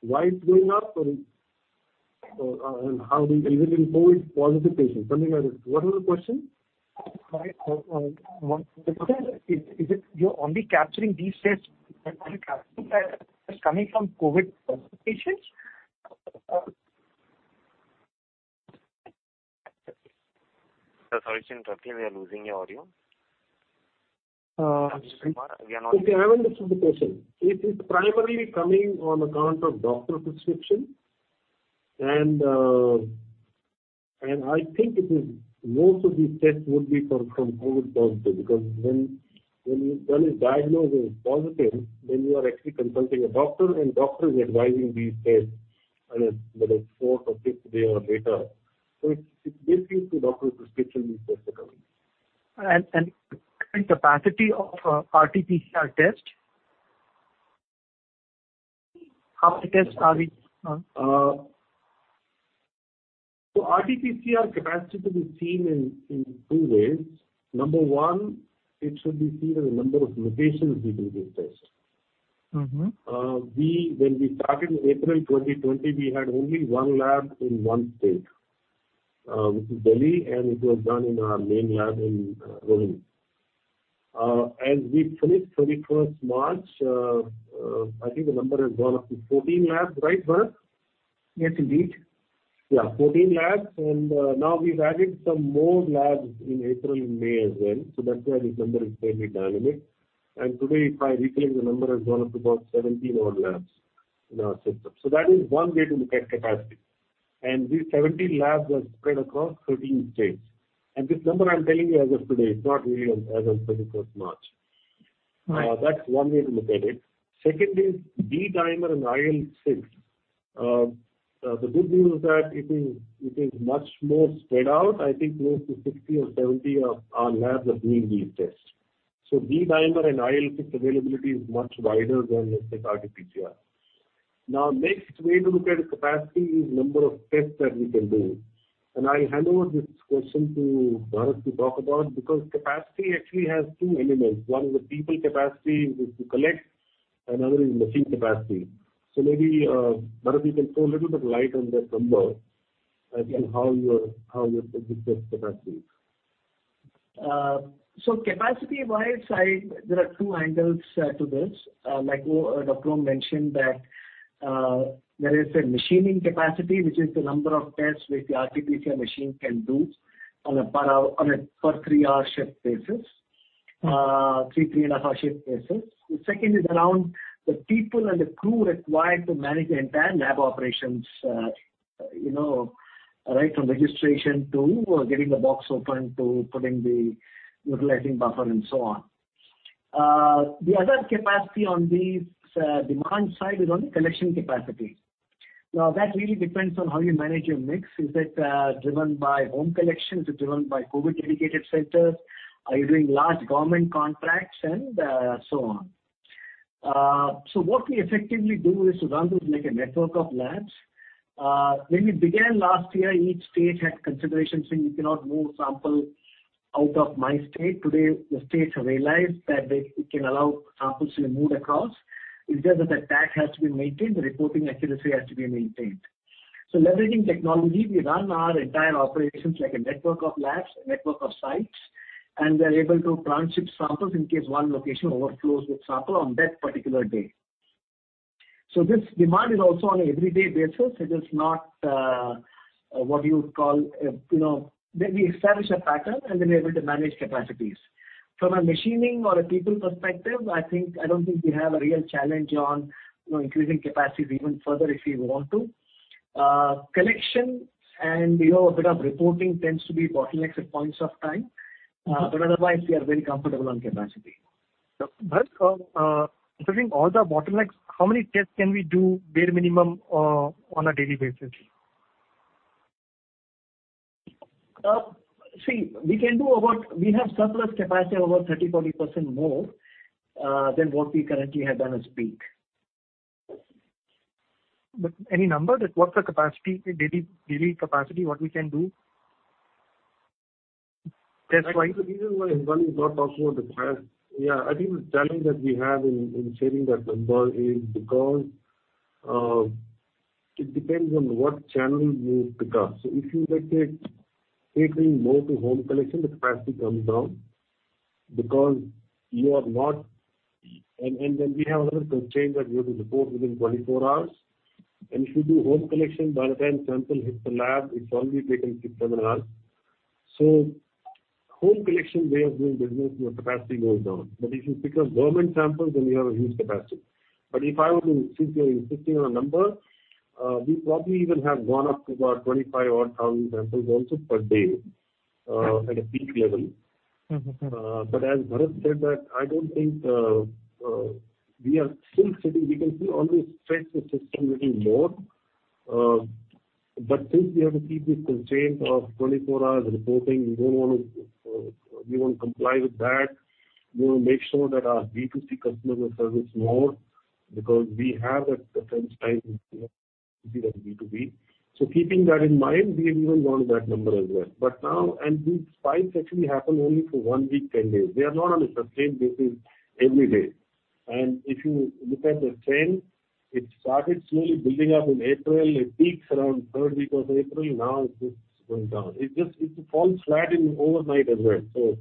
why it's going up and how we are delivering COVID positive patients. Something like this. What was the question? Is it you're only capturing these tests which are coming from COVID positive patients? Sorry, (shruti), we are losing your audio. Okay, I understand the question. It is primarily coming on account of doctor prescription, and I think most of these tests would be from COVID positive, because when one is diagnosed as positive, then you are actually consulting a doctor, and doctor is advising these tests on a fourth or fifth day or later. It's basically to doctor prescription these tests are coming. Capacity of RT-PCR test. Sorry. RT-PCR capacity can be seen in two ways. Number one, it should be seen as number of locations we do this test. When we started in April 2020, we had only one lab in one state, which is Delhi, and it was done in our main lab in Rohini. As we finished 31st March, I think the number has gone up to 14 labs, right, Bharat? Yes, indeed. Yeah, 14 labs. Now we've added some more labs in April and May as well. That's why this number is fairly dynamic. Today, if I reclaim, the number has gone up to about 17 odd labs in our system. That is one way to look at capacity. These 17 labs are spread across 13 states. This number I'm telling you as of today, it's not really as of 31st March. Right. That's one way to look at it. Second is D-dimer and IL-6. The good thing is that it is much more spread out. I think close to 60 or 70 of our labs are doing these tests. D-dimer and IL-6 availability is much wider than, let's say, RT-PCR. Next way to look at capacity is number of tests that we can do. I hand over this question to Bharat to talk about, because capacity actually has two elements. One is the people capacity, which is to collect, another is machine capacity. Maybe, Bharat, you can throw a little bit of light on that number and how you are looking at capacity. Capacity-wise, there are two angles to this. Like Dr. Lal mentioned that there is a machining capacity, which is the number of tests which the RT-PCR machine can do on a per three-hour shift basis. Three, three and a half shift basis. The second is around the people and the crew required to manage the entire lab operations, right from registration to getting the box open, to putting the neutralizing buffer and so on. The other capacity on the demand side is on collection capacity. That really depends on how you manage your mix. Is it driven by home collections? Is it driven by COVID-dedicated centers? Are you doing large government contracts and so on. What we effectively do is to run this like a network of labs. When we began last year, each state had considerations saying you cannot move sample out of my state. Today, the states have realized that they can allow samples to move across, as long as the TAT has been maintained, the reporting accuracy has to be maintained. Leveraging technology, we run our entire operations like a network of labs, a network of sites, and we are able to transship samples in case one location overflows with sample on that particular day. This demand is also on an everyday basis. It is not what you would call, we establish a pattern, and then we are able to manage capacities. From a machining or a people perspective, I don't think we have a real challenge on increasing capacity even further if we want to. Collection and a bit of reporting tends to be bottlenecked at points of time. Otherwise, we are very comfortable on capacity. Bharat, considering all the bottlenecks, how many tests can we do bare minimum on a daily basis? See, we have surplus capacity over 30, 40% more than what we currently have done as peak. Any number? What's the capacity, daily capacity, what we can do? That's why- Actually, the reason why Bharat is not talking about the capacity, I think the challenge that we have in sharing that number is because it depends on what channel you pick up. If you, let's say, taking more to home collection, the capacity comes down. Then we have another constraint that we have to report within 24 hours. If you do home collection, by the time sample hits the lab, it's only taken six, seven hours. Home collection way of doing business, your capacity goes down. If you pick up government samples, then you have a huge capacity. Since you are insisting on a number, we probably even have gone up to about 25 odd thousand samples also per day at a peak level. As Bharat said that I don't think we can still only stretch the system little more. Since we have to keep this constraint of 24 hours reporting, we want to comply with that. We want to make sure that our B2C customers are serviced more because we have that defense time which we have B2B. Keeping that in mind, we have even gone to that number as well. These spikes actually happen only for one week, 10 days. They are not on a sustained basis every day. If you look at the trend, it started slowly building up in April. It peaks around third week of April. Now it's just going down. It falls flat in overnight as well.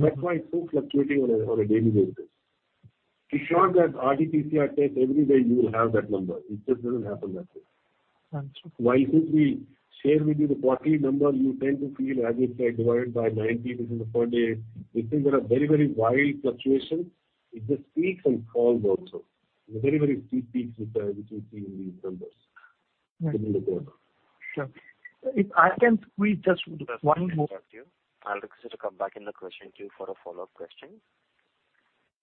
That's why it's so fluctuating on a daily basis. Be sure that RT-PCR test every day you will have that number. It just doesn't happen that way. Understood. Since we share with you the quarterly number, you tend to feel as if I divide it by 90, which is a quarter day. These things are a very, very wide fluctuation. It just peaks and falls also. Very, very steep peaks which you see in these numbers. Right. If you look at them. Sure. If I can, we just would. Sir, sorry to interrupt you. I'll request you to come back in the question queue for a follow-up question.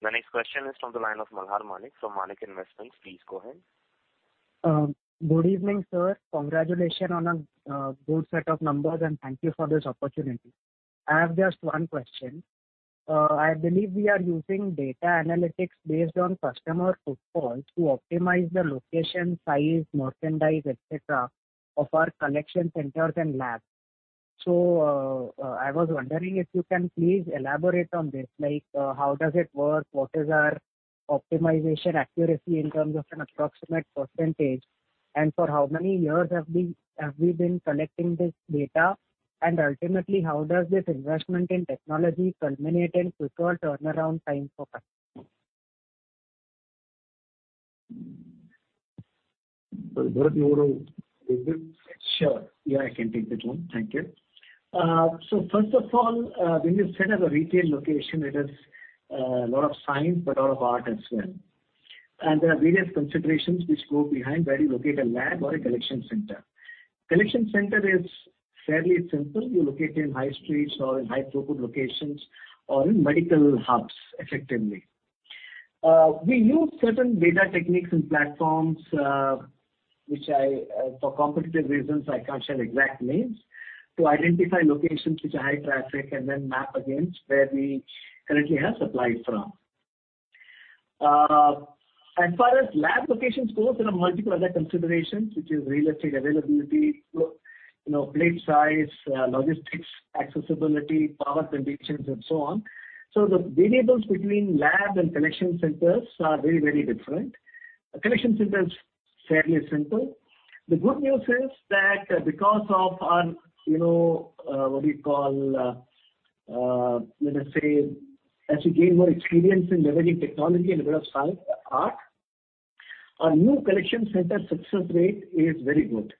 The next question is from the line of Malhar Manik from Manik Investments. Please go ahead. Good evening, sir. Congratulations on a good set of numbers, and thank you for this opportunity. I have just one question. I believe we are using data analytics based on customer footfall to optimize the location, size, merchandise, et cetera, of our collection centers and labs. I was wondering if you can please elaborate on this. How does it work? What is our optimization accuracy in terms of an approximate percentage, and for how many years have we been collecting this data? Ultimately, how does this investment in technology culminate in quicker turnaround time for customers? Bharat, you want to take this? Sure. Yeah, I can take that one, thank you. First of all, when you set up a retail location, it is a lot of science, but a lot of art as well. There are various considerations which go behind where you locate a lab or a collection center. Collection center is fairly simple. You locate in high streets or in high-footfall locations or in medical hubs, effectively. We use certain data techniques and platforms, which for competitive reasons, I can't share exact names, to identify locations which are high traffic and then map against where we currently have supply from. As far as lab locations go, there are multiple other considerations, which is real estate availability, plate size, logistics, accessibility, power conditions, and so on. The variables between lab and collection centers are very, very different. A collection center is fairly simple. The good news is that because of our, what do you call, let us say, as we gain more experience in leveraging technology and a bit of art, our new collection center success rate is very good.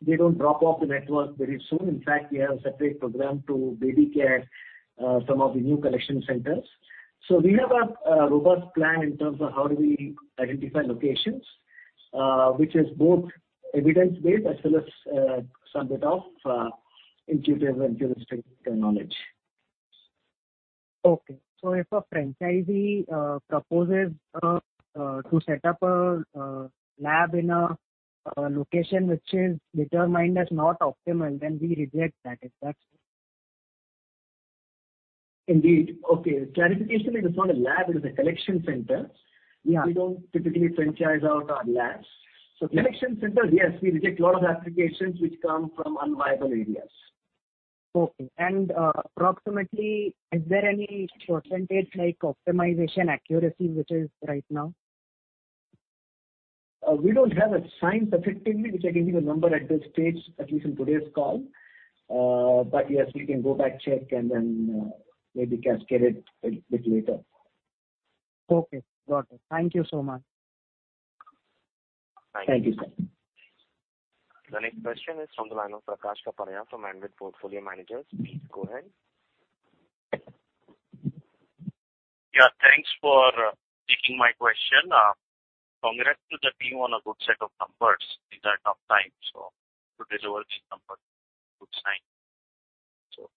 They don't drop off the network very soon. In fact, we have a separate program to baby care some of the new collection centers. We have a robust plan in terms of how do we identify locations, which is both evidence-based as well as some bit of intuitive and heuristic knowledge. Okay. If a franchisee proposes to set up a lab in a location which is determined as not optimal, then we reject that. Is that so? Indeed. Okay. Clarification, it is not a lab, it is a collection center. Yeah. We don't typically franchise out our labs. Collection centers, yes, we reject a lot of applications which come from unviable areas. Okay. Approximately, is there any percentage, like optimization accuracy, which is right now? We don't have a science effectively which I can give a number at this stage, at least in today's call. Yes, we can go back, check, and then maybe cascade it a bit later. Okay, got it. Thank you so much. Thank you, sir. The next question is from the line of Prakash Kapadia from Anived Portfolio Managers. Please go ahead. Yeah, thanks for taking my question. Congrats to the team on a good set of numbers in that tough time. Good results, good numbers, good sign.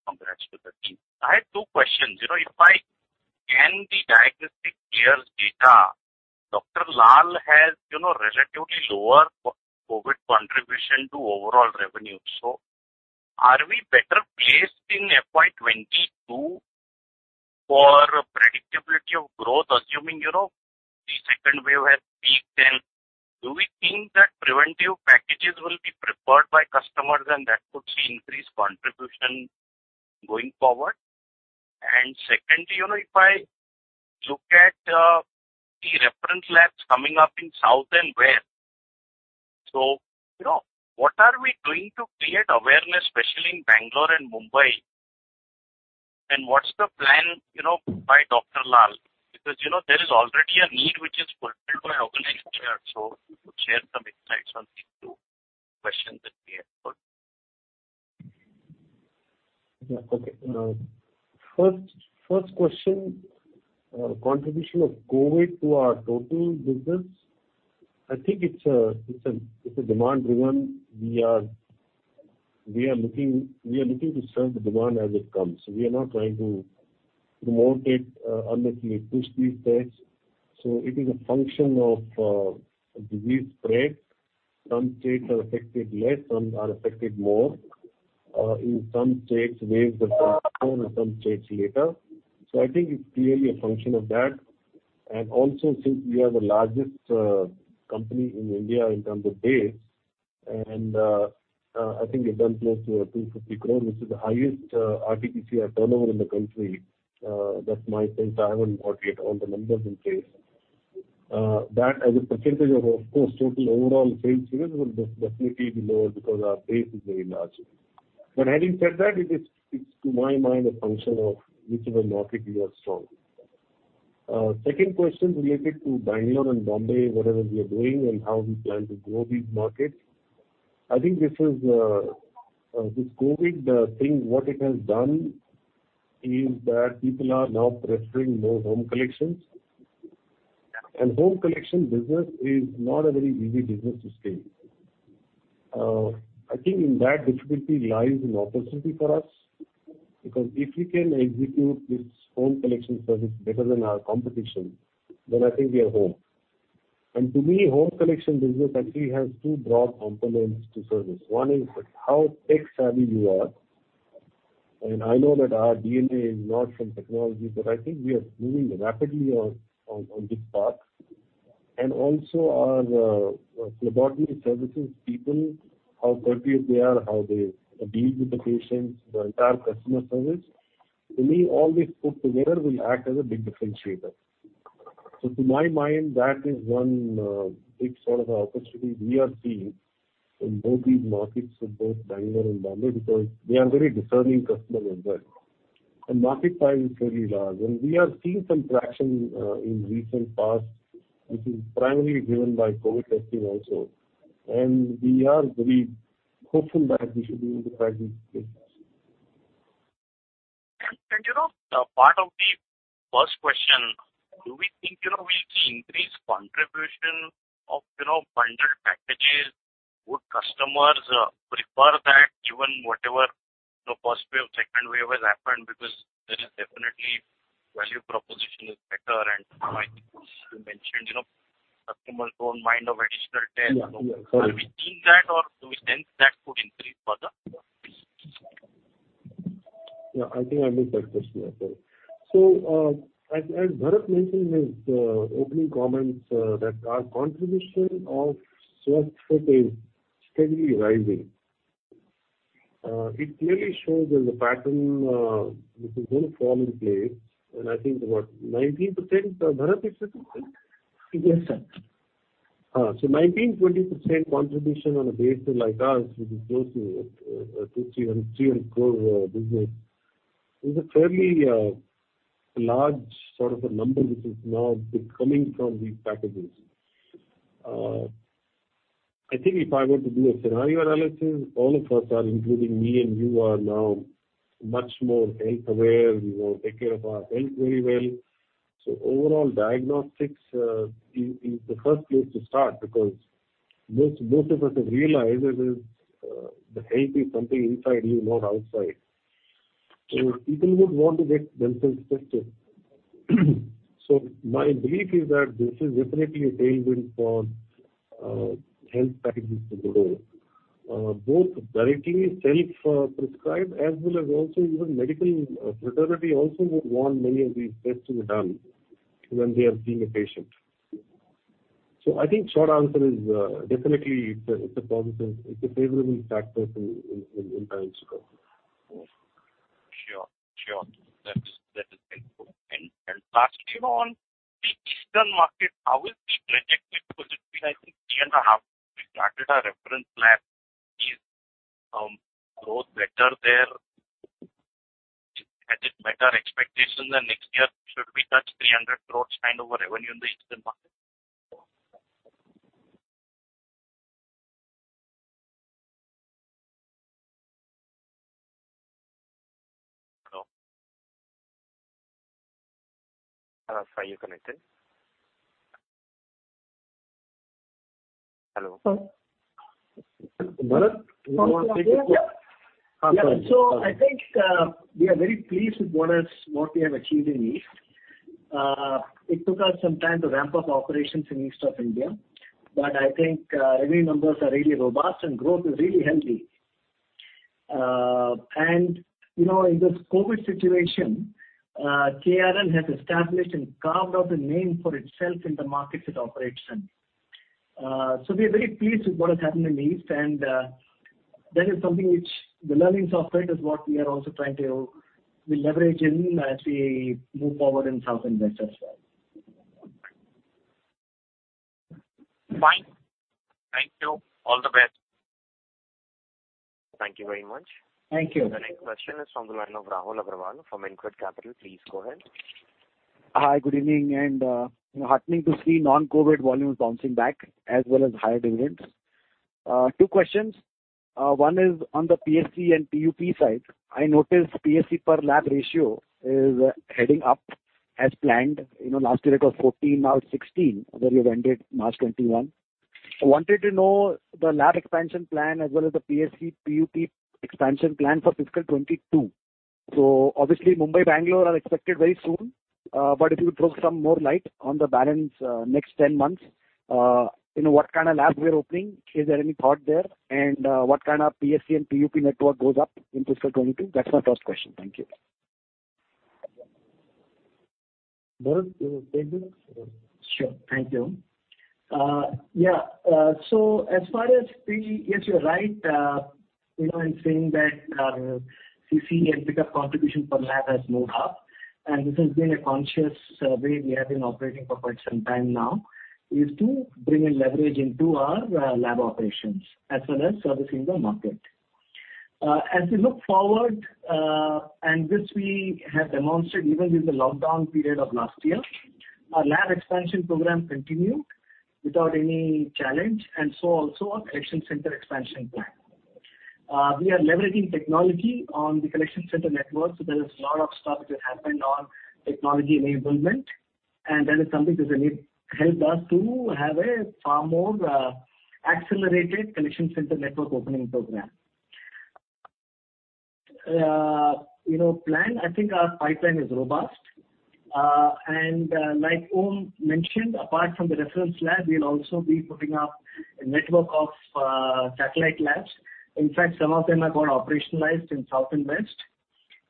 Congrats to the team. I have two questions. If I scan the diagnostic care data, Dr. Lal has relatively lower COVID contribution to overall revenue. Are we better placed in FY 2022 for predictability of growth, assuming the second wave has peaked? Do we think that preventive packages will be preferred by customers and that could see increased contribution going forward? Secondly, if I look at the reference labs coming up in South and West, so what are we doing to create awareness, especially in Bangalore and Mumbai? What's the plan by Dr. Lal? There is already a need which is fulfilled by organized care. If you could share some insights on these two questions that we have put. Yeah, okay. First question, contribution of COVID to our total business. I think it's demand-driven. We are looking to serve the demand as it comes. We are not trying to promote it, unnecessarily push these tests. It is a function of disease spread. Some states are affected less, some are affected more. In some states, waves have come strong and some states later. I think it's clearly a function of that. Also, since we are the largest company in India in terms of base, I think we've done close to 250 crore, which is the highest RT-PCR turnover in the country. That's my sense. I haven't got yet all the numbers in place. That as a percentage of course, total overall sales figures would definitely be lower because our base is very large. Having said that, it is to my mind, a function of which of the market we are strong in. Second question related to Bangalore and Bombay, whatever we are doing and how we plan to grow these markets. I think this COVID-19 thing, what it has done is that people are now preferring more home collections. Home collection business is not a very easy business to scale. I think in that difficulty lies an opportunity for us, because if we can execute this home collection service better than our competition, then I think we are home. To me, home collection business actually has two broad components to service. One is how tech-savvy you are, and I know that our DNA is not from technology, but I think we are moving rapidly on this path. Also our phlebotomy services people, how courteous they are, how they deal with the patients, the entire customer service. To me, all this put together will act as a big differentiator. To my mind, that is one big sort of opportunity we are seeing in both these markets, so both Bangalore and Bombay, because they are very discerning customers as well. Market size is fairly large. We are seeing some traction in recent past, which is primarily driven by COVID testing also. We are very hopeful that we should be in the driving seat. Part of the first question, do we think we'll see increased contribution of bundled packages? Would customers prefer that even whatever first wave, second wave has happened? There is definitely value proposition is better and I think you mentioned customers don't mind the additional test. Yeah. Are we seeing that or do we sense that could increase further? Yeah, I think I missed that question. Sorry. As Bharat mentioned in his opening comments, that our contribution of Swasthfit package steadily rising. It clearly shows there's a pattern which is going to fall in place. I think about 19%, Bharat is it? Yes, sir. 19%, 20% contribution on a base like ours, which is close to an 300 crore business, is a fairly large sort of a number which is now coming from these packages. I think if I were to do a scenario analysis, all of us are, including me and you are now much more health aware. We want to take care of our health very well. Overall diagnostics is the first place to start because most of us have realized that health is something inside you, not outside. People would want to get themselves tested. My belief is that this is definitely a tailwind for health packages to grow, both directly self-prescribed as well as also even medical fraternity also would want many of these tests to be done when they are seeing a patient. I think short answer is definitely it's a positive, it's a favorable factor in times to come. Sure, that is helpful. Lastly on the eastern market, how is the trajectory? Because it's been, I think, three and a half years since we started our reference lab. Is growth better there? Has it met our expectation that next year should we touch 300 crore turnover revenue in the eastern market? Hello? Bharat, are you connected? Sure. I think we are very pleased with what we have achieved in East. It took us some time to ramp up operations in East of India, but I think our yearly numbers are really robust and growth is really healthy. In this COVID situation, KRL has established and carved out a name for itself in the market it operates in. We are very pleased with what has happened in East, and that is something which the learnings of it is what we are also trying to leverage as we move forward in South and West as well. Fine. Thank you, all the best. Thank you very much. Thank you. The next question is from the line of Rahul Agarwal from InCred Capital. Please go ahead. Hi, good evening. Heartening to see non-COVID volumes bouncing back as well as higher billings. Two questions. One is on the PSC and PUP side. I noticed PSC per lab ratio is heading up as planned. Last year it was 14, now 16, although you ended March 2021. I wanted to know the lab expansion plan as well as the PSC PUP expansion plan for fiscal 2022. Obviously Mumbai, Bangalore are expected very soon. If you throw some more light on the balance next 10 months, what kind of lab we are opening, is there any thought there? What kind of PSC and PUP network goes up in fiscal 2022? That's my first question. Thank you. Sure. Thank you. Yes, you're right in saying that we see a bigger contribution for lab as hub, and this has been a conscious way we have been operating for quite some time now, is to bring a leverage into our lab operations as well as servicing the market. As we look forward, and which we have announced even in the lockdown period of last year, our lab expansion program continued without any challenge, and so also our collection center expansion plan. We are leveraging technology on the collection center network, so there is a lot of stuff which happened on technology enablement, and that is something that will help us to have a far more accelerated collection center network opening program. I think our pipeline is robust. Like Om mentioned, apart from the reference lab, we'll also be putting up a network of satellite labs. In fact, some of them have got operationalized in South and West,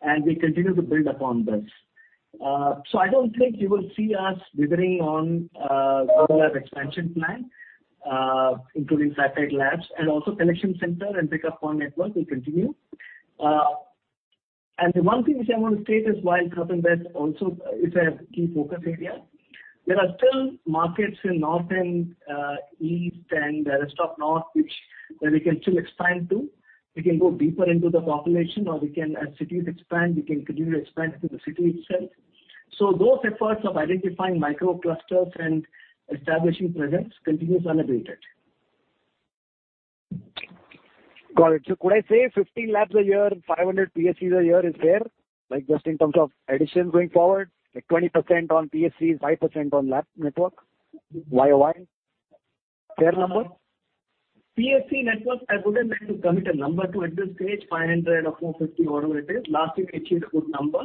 and we continue to build upon this. I don't think you will see us wavering on our lab expansion plan, including satellite labs, and also collection center and pickup point network will continue. The one thing which I want to state is while South and West also is a key focus area, there are still markets in North and East and rest of North which we can still expand to. We can go deeper into the population, or we can, as cities expand, we can continue to expand into the city itself. Those efforts of identifying microclusters and establishing presence continues unabated. Got it. Could I say 50 labs a year and 500 PSCs a year is there, just in terms of addition going forward, like 20% on PSC, 5% on lab network, YoY? Fair number? PSC networks, I wouldn't like to commit a number to it at this stage, 500 or 450 or whatever it is. Last year it achieved a good number.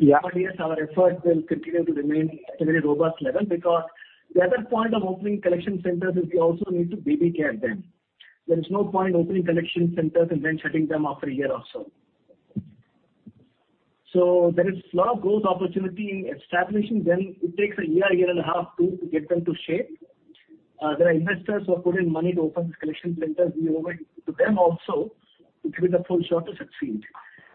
Yes, our efforts will continue to remain at a robust level because the other point of opening collection centers is we also need to babycare them. There's no point opening collection centers and then shutting them after a year or so. There is a lot of growth opportunity establishment. It takes a year and a half too, to get them to shape. The investors have put in money to open collection centers. We owe it to them also to give it a full shot to succeed.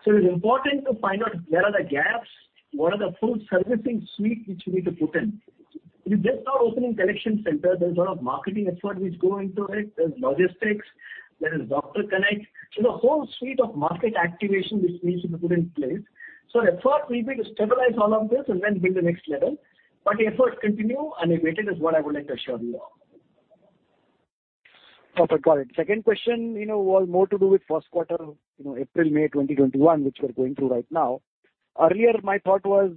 It's important to find out where are the gaps, what are the full servicing suite which we need to put in. It's just not opening collection center. There's a lot of marketing effort which goes into it. There's logistics, there is doctor connect. A whole suite of market activation which needs to be put in place. The effort we need to stabilize all of this and then be in the next level. Efforts continue, and I wait it is what I wanted to assure you of. Okay, got it. Second question, more to do with first quarter April, May 2021, which we're going through right now. Earlier, my thought was,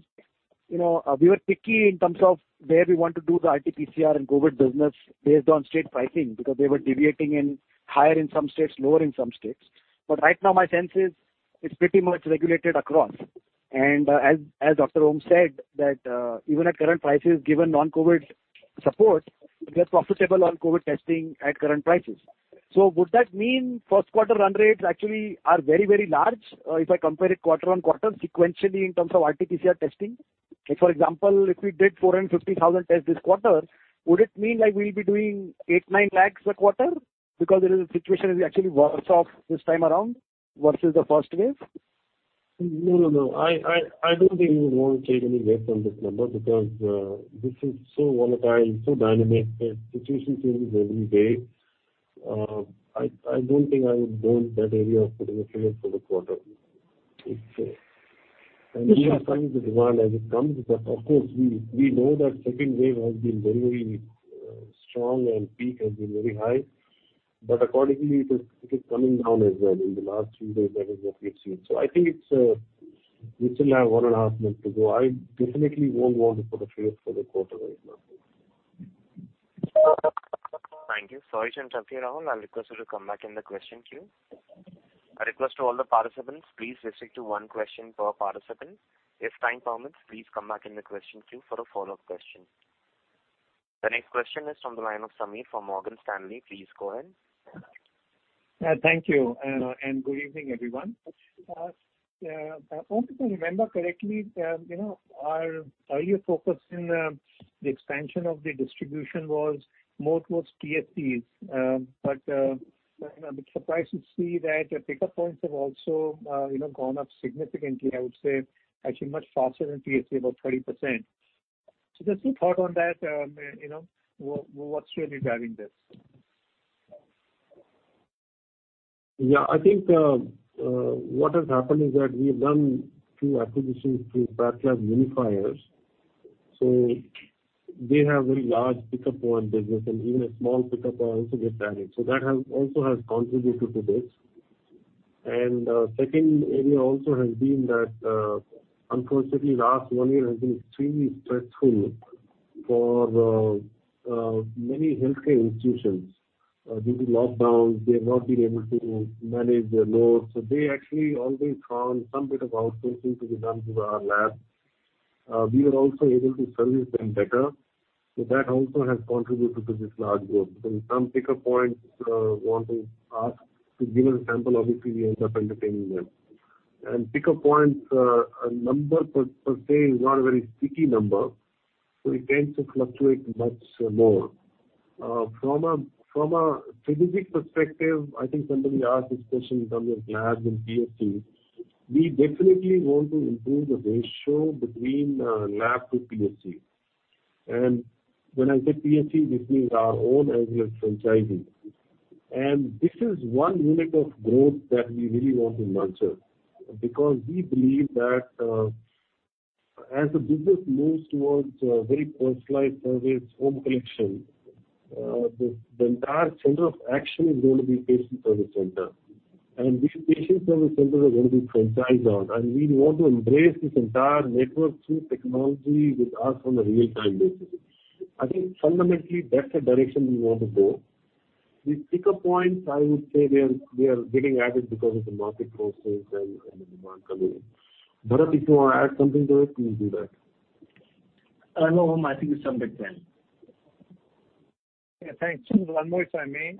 we were picky in terms of where we want to do the RT-PCR and COVID business based on state pricing, because they were deviating in higher in some states, lower in some states. Right now my sense is it's pretty much regulated across. As Dr. Om said, that even at current prices, given non-COVID support, we are profitable on COVID testing at current prices. Would that mean first quarter run rates actually are very large if I compare it quarter-on-quarter sequentially in terms of RT-PCR testing? For example, if we did 450,000 tests this quarter, would it mean like we'll be doing 8, 9 lacs per quarter because there is a situation which actually worse off this time around versus the first wave? No, I don't think we want to take any guess on this number because this is so volatile and so dynamic that situation changes every day. I don't think I would want that area of prediction for the quarter. Okay. We are trying to demand as it comes. Of course, we know that second wave has been very strong, and peak has been very high, but accordingly, it is coming down as well. In the last few days, that is what we have seen. I think it's We still have one and a half months to go. I definitely won't want to put a face for the quarter right now. Thank you. Sorry to interrupt you, Rahul. I'll request you to come back in the question queue. A request to all the participants, please restrict to one question per participant. If time permits, please come back in the question queue for a follow-up question. The next question is from the line of Sameer from Morgan Stanley. Please go ahead. Thank you. Good evening, everyone. If I remember correctly, your focus in the expansion of the distribution was more towards PSCs. I'm a bit surprised to see that your Pick-up Points have also gone up significantly, I would say, actually much faster than PSC, about 30%. Just your thought on that. What's really driving this? Yeah, I think what has happened is that we have done two acquisitions through PathLabs Unifiers. They have a very large pickup point business, and even a small pickup point also gets added. That also has contributed to this. Second area also has been that, unfortunately, last one year has been extremely stressful for many healthcare institutions. Due to lockdowns, they have not been able to manage their loads. They actually always found some bit of outsourcing to be done through our lab. We were also able to service them better. That also has contributed to this large growth. When some pickup points want to ask to give a sample, obviously, we end up entertaining them. Pickup points number per se is not a very sticky number, so it tends to fluctuate much more. From a strategic perspective, I think somebody asked this question in terms of labs and PSC. We definitely want to improve the ratio between lab to PSC. When I say PSC, this means our own as well as franchising. This is one unit of growth that we really want to nurture because we believe that as the business moves towards very personalized service, home collection, the entire center of action is going to be Patient Service Center. These Patient Service Centers are going to be franchised out, and we want to embrace this entire network through technology with us on a real-time basis. I think fundamentally, that's the direction we want to go. The Pick-up Points, I would say they are getting added because of the market forces and the demand coming in. Bharat, if you want to add something to it, please do that. No, Om I think he's covered that. Thanks. One more, if I may.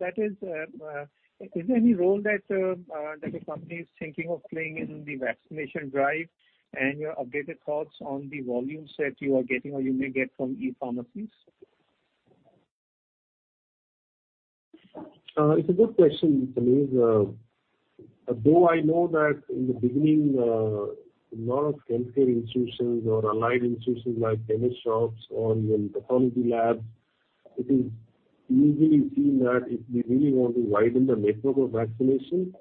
That is there any role that the company is thinking of playing in the vaccination drive and your updated thoughts on the volumes that you are getting or you may get from e-pharmacies? It's a good question, Sameer. Though I know that in the beginning, a lot of healthcare institutions or allied institutions like dentist shops or even pathology labs, it is easily seen that if we really want to widen the network of vaccination,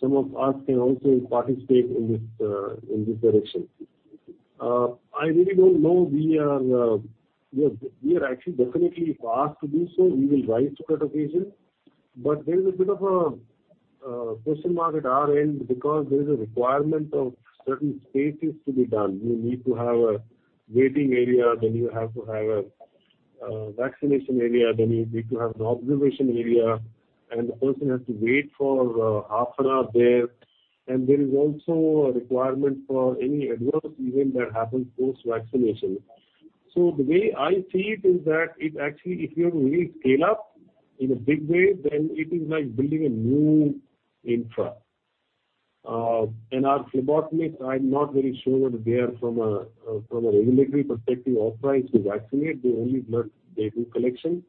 some of us can also participate in this direction. I really don't know. We are actually definitely if asked to do so, we will rise to that occasion. There is a bit of a question mark at our end because there is a requirement of certain spaces to be done. You need to have a waiting area, then you have to have a vaccination area, then you need to have an observation area, and the person has to wait for half an hour there. There is also a requirement for any adverse event that happens post-vaccination. The way I see it is that it actually, if you have to really scale up in a big way, then it is like building a new infra. Our phlebotomists, I am not very sure whether they are from a regulatory perspective authorized to vaccinate. They do collection.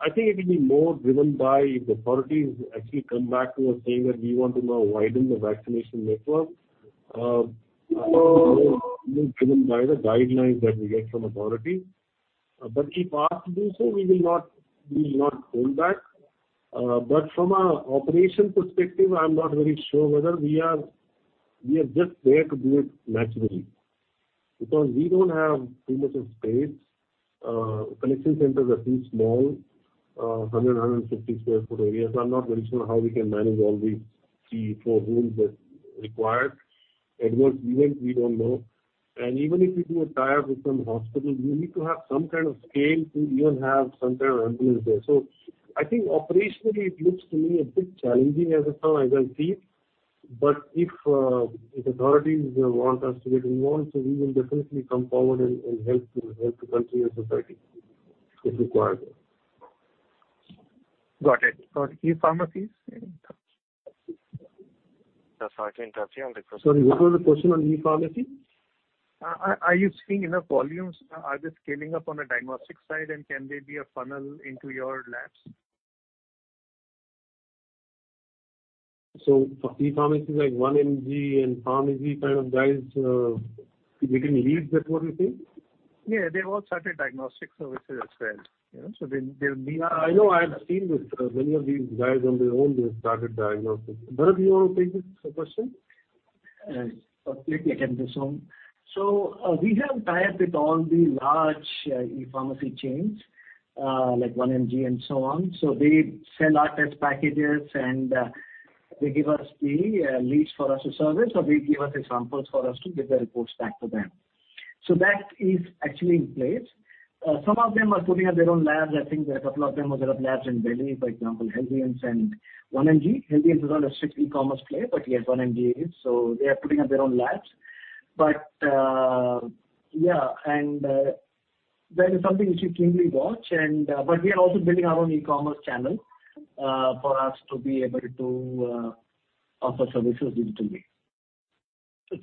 I think it will be more driven by if authorities actually come back to us saying that we want to now widen the vaccination network. It will be driven by the guidelines that we get from authority. If asked to do so, we will not hold back. From an operation perspective, I am not very sure whether we are just there to do it naturally, because we don't have too much of space. Collection centers are too small, 100, 150 sq ft areas. I am not very sure how we can manage all these three, four rooms that's required. Adverse event, we don't know. Even if we do a tie-up with some hospital, we need to have some kind of scale to even have some kind of ambulance there. I think operationally, it looks to me a bit challenging as of now, as I see it. If authorities want us to get involved, we will definitely come forward and help the country and society if required. Got it. E-pharmacies? Sorry to interrupt you. I'll request. Sorry, what was the question on e-pharmacy? Are you seeing enough volumes? Are they scaling up on the diagnostic side, and can they be a funnel into your labs? For e-pharmacies like 1 mg and PharmEasy kind of guys, they can lead the (40P)? Yeah, they've all started diagnostic services as well. I know. I have seen this. Many of these guys on their own, they have started diagnostics. Bharat, you want to take this question? Yes. Absolutely, I can take this Om. We have tied with all the large e-pharmacy chains Like 1 mg and so on. They sell out test packages, and they give us the leads for us to service, or they give us samples for us to give the reports back to them. That is actually in place. Some of them are putting up their own labs. I think there are a couple of them who have labs in Delhi, for example, Healthians and 1mg. Healthians is not a strict e-commerce player, but yes, 1mg is. They are putting up their own labs. That is something which we keenly watch. We have also built our own e-commerce channel for us to be able to offer services digitally.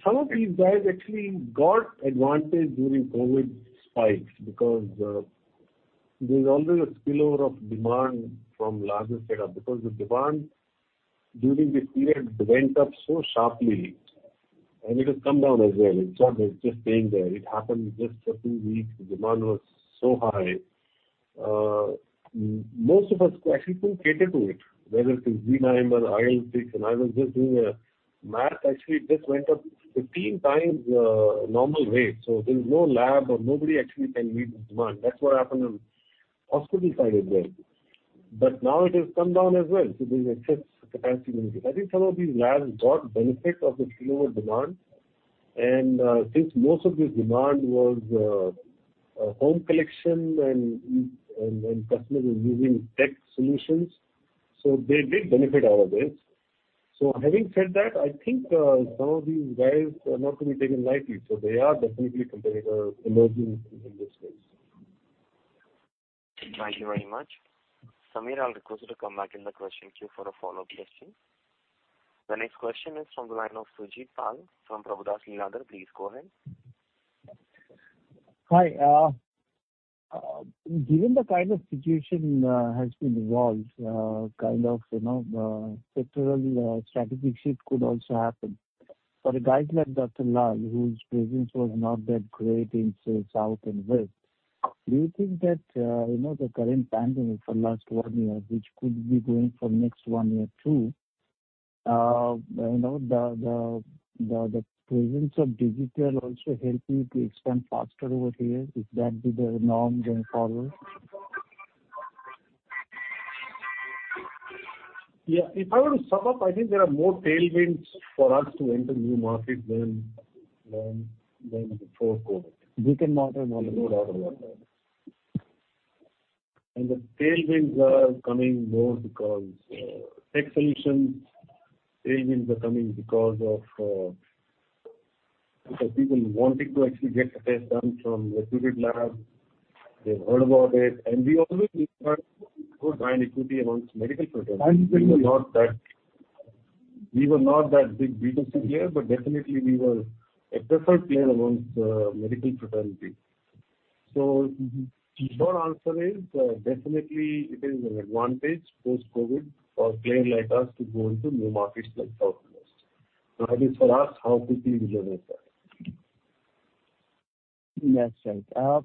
Some of these guys actually got advantage during COVID-19 spikes because there's always a spillover of demand from larger setup because the demand during the period went up so sharply, and it has come down as well. It's not that it's just staying there. It happened just for two weeks. The demand was so high. Most of us actually couldn't cater to it, whether it is Viral, Ion Exchange. I was just doing a math. Actually, it just went up 15 times the normal rate. There's no lab or nobody actually can meet the demand. That's what happened on the hospital side as well. Now it has come down as well. There's excess capacity. I think some of these labs got benefit of the spillover demand, and I think most of this demand was home collection and customers using tech solutions. They did benefit out of this. Having said that, I think some of these guys are not to be taken lightly. They are definitely a competitor emerging in this space. Thank you very much. Sameer, I'll request you to come back in the question queue for a follow-up question. The next question is from the line of Surajit Pal from Prabhudas Lilladher. Please go ahead. Hi. Given the kind of situation has been evolved, kind of sectoral strategic shift could also happen. For the guys like Dr. Lal, whose presence was not that great in South and West, do you think that the current pandemic for last one year, which could be going for next one year too, the presence of digital also helping you to expand faster over here if that be the norm going forward? Yeah. If I were to sum up, I think there are more tailwinds for us to enter new markets than before COVID. We can mark a note on that. The tailwinds are coming more because tech solutions, tailwinds are coming because of people wanting to actually get a test done from a reputed lab. They've heard about it, we always required to put our equity amongst medical fraternity. We were not that big B2C here, definitely we were a preferred player amongst the medical fraternity. Short answer is, definitely it is an advantage post-COVID for a player like us to go into new markets like South and West. Now it is for us how quickly we generate that. That's right.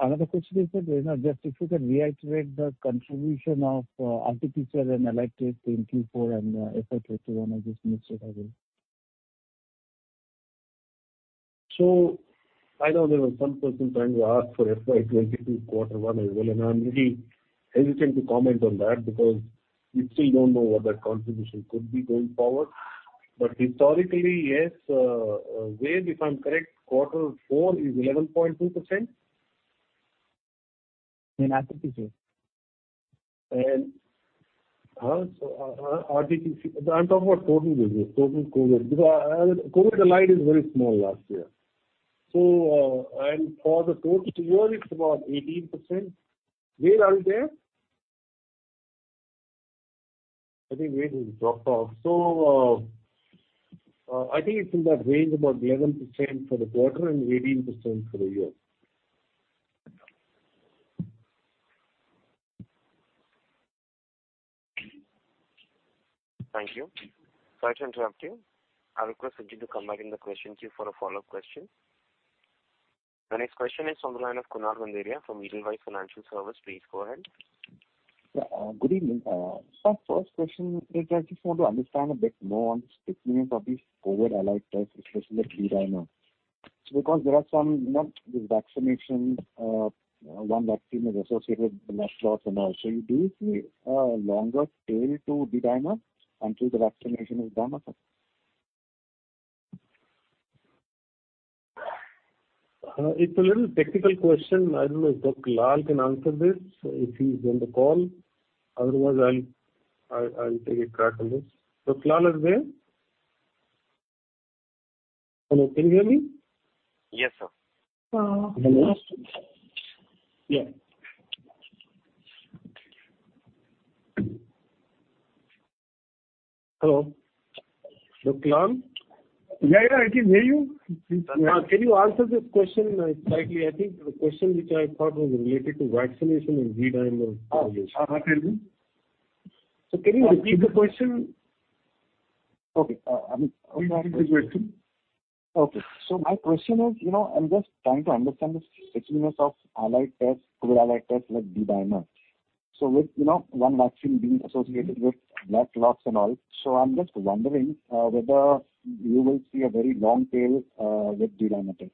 Another question is that just if you can reiterate the contribution of RT-PCR and allied test in Q4 and FY 2022. I just missed it again. I know there was one person trying to ask for FY 2022 quarter one as well, and I'm really hesitant to comment on that because we still don't know what that contribution could be going forward. Historically, yes, Ved, if I'm correct, quarter four is 11.2%. In RT-PCR. I'm talking about total business, total COVID. Total allied is very small last year. For the total year, it's about 18%. Where are you, Ved? I think Ved dropped off. I think it's in that range, about 11% for the quarter and 18% for the year. Thank you. Sorry to interrupt you. I request Sujeet to come back in the question queue for a follow-up question. The next question is from the line of Kunal Randeria from Edelweiss Financial Services. Please go ahead. Good evening. Sir, first question is I just want to understand a bit more on the stickiness of these COVID allied tests, especially the D-dimer. With vaccination, one vaccine is associated with blood clots and all. Do you see a longer tail to D-dimer until the vaccination is done? It's a little technical question. I don't know if Dr. Lal can answer this, if he's on the call. Otherwise, I'll take a crack on this. Dr. Lal is there? Hello, can you hear me? Yes, sir. Hello. Yeah. Hello. Dr. Lal? Yeah, I can hear you. Can you answer this question? I think the question which I thought was related to vaccination and D-dimer. I can. Can you repeat the question? Okay. My question is, I'm just trying to understand the stickiness of allied tests, COVID allied tests like D-dimer. With one vaccine being associated with blood clots and all, I'm just wondering whether you will see a very long tail with D-dimer test.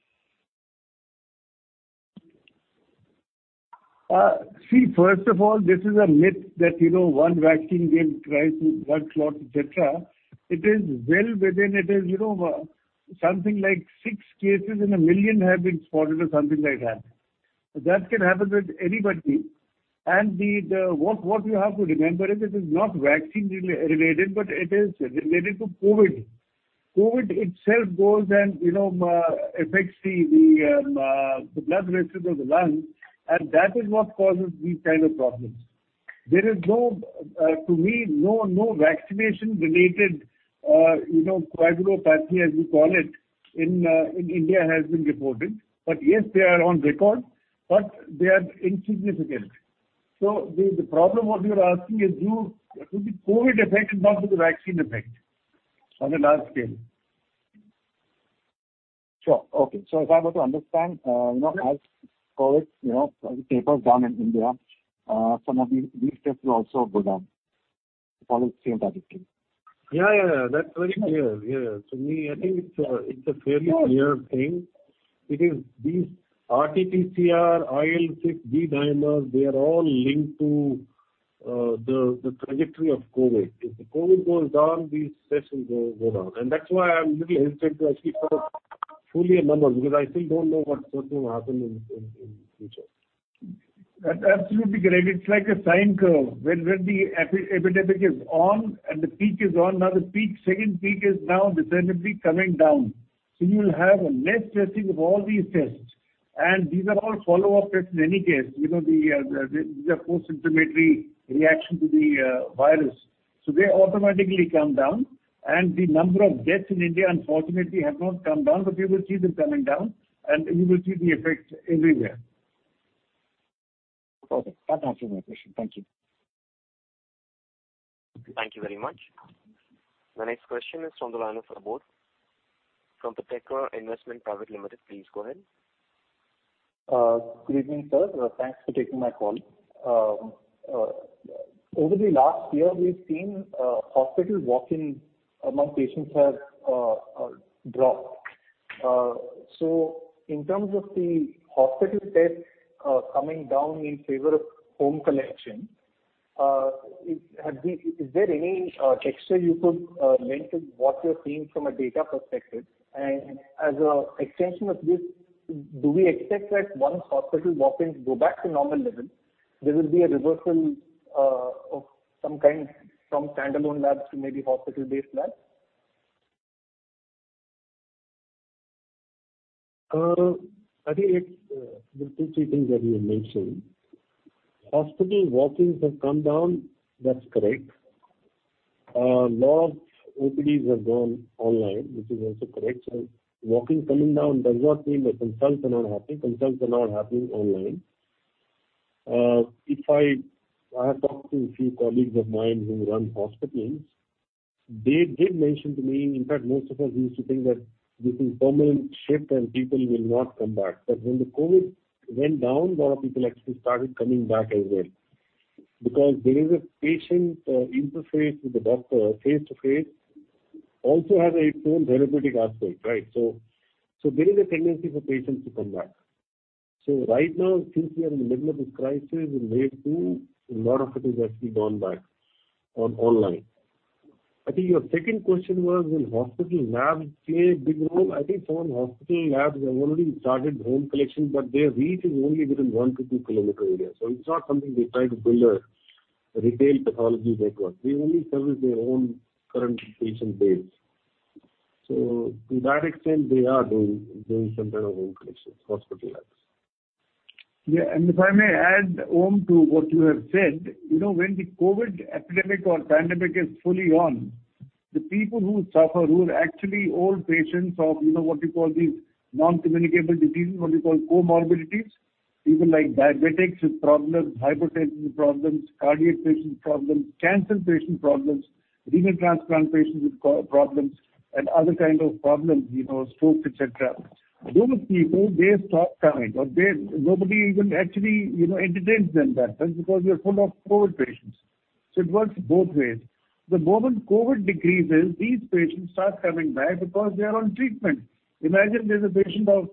First of all, this is a myth that one vaccine gives rise to blood clot, et cetera. It is well within it, something like six cases in a million have been spotted or something like that. That can happen with anybody. What you have to remember is it is not vaccine-related, but it is related to COVID. COVID itself goes and affects the blood vessels of the lung, and that is what causes these kind of problems. There is, to me, no vaccination-related coagulopathy, as you call it, in India has been reported. Yes, they are on record, but they are insignificant. The problem what you are asking is due to the COVID effect and not to the vaccine effect on a large scale. Sure. Okay. Yes as COVID tapers down in India, some of these tests will also go down. Follow the same trajectory. Yeah, that's very clear. Yeah. To me, I think it's a fairly clear thing. It is these RT-PCR, IL-6, D-dimer, they are all linked to the trajectory of COVID. If the COVID goes down, these tests will go down. That's why I'm a little hesitant to actually put a fully a number, because I still don't know what's going to happen in future. That's absolutely correct. It's like a sine curve, when the epidemic is on and the peak is on. Now the second peak is now definitively coming down. You will have less testing of all these tests, and these are all follow-up tests in any case. These are post-symptomatic reaction to the virus. They automatically come down. The number of deaths in India, unfortunately, have not come down, but we will see them coming down, and we will see the effects everywhere. Okay. That answers my question. Thank you. Thank you very much. The next question is from the line of Abod from Pategra Investment Private Limited. Please go ahead. Good evening, sir. Thanks for taking my call. Over the last year, we've seen hospital walk-ins among patients have dropped. In terms of the hospital tests coming down in favor of home collection, is there any gesture you could lend to what you're seeing from a data perspective? As an extension of this, do we expect that once hospital walk-ins go back to normal levels, there will be a reversal of some kind from standalone labs to maybe hospital-based labs? I think there are two, three things that you mentioned. Hospital walk-ins have come down, that's correct. A lot of OPDs have gone online, which is also correct. Walk-ins coming down does not mean that consults are not happening. Consults are now happening online. I have talked to a few colleagues of mine who run hospitals. They did mention to me, in fact, most of us used to think that this is permanent shift and people will not come back. When the COVID went down, a lot of people actually started coming back as well. There is a patient interface with the doctor, face-to-face, also has its own therapeutic aspect, right? There is a tendency for patients to come back. Right now, since we are in the middle of this crisis in wave 2, a lot of it has actually gone back on online. I think your second question was, will hospital labs play a big role? I think some hospital labs have already started home collection, but their reach is only within one to two-kilometer area. It's not something they try to build a retail pathology network. They only service their own current patient base. To that extent, they are doing some kind of home collection, hospital labs. Yeah. If I may add, Om, to what you have said. When the COVID epidemic or pandemic is fully on, the people who suffer, who are actually old patients of what you call these non-communicable diseases, what you call comorbidities, people like diabetics with problems, hypertensive problems, cardiac patient problems, cancer patient problems, renal transplant patients with problems, and other kind of problems, strokes, et cetera. Those people, they stop coming, or nobody even actually entertains them that much because we are full of COVID patients. It works both ways. The moment COVID decreases, these patients start coming back because they are on treatment. Imagine there's a patient of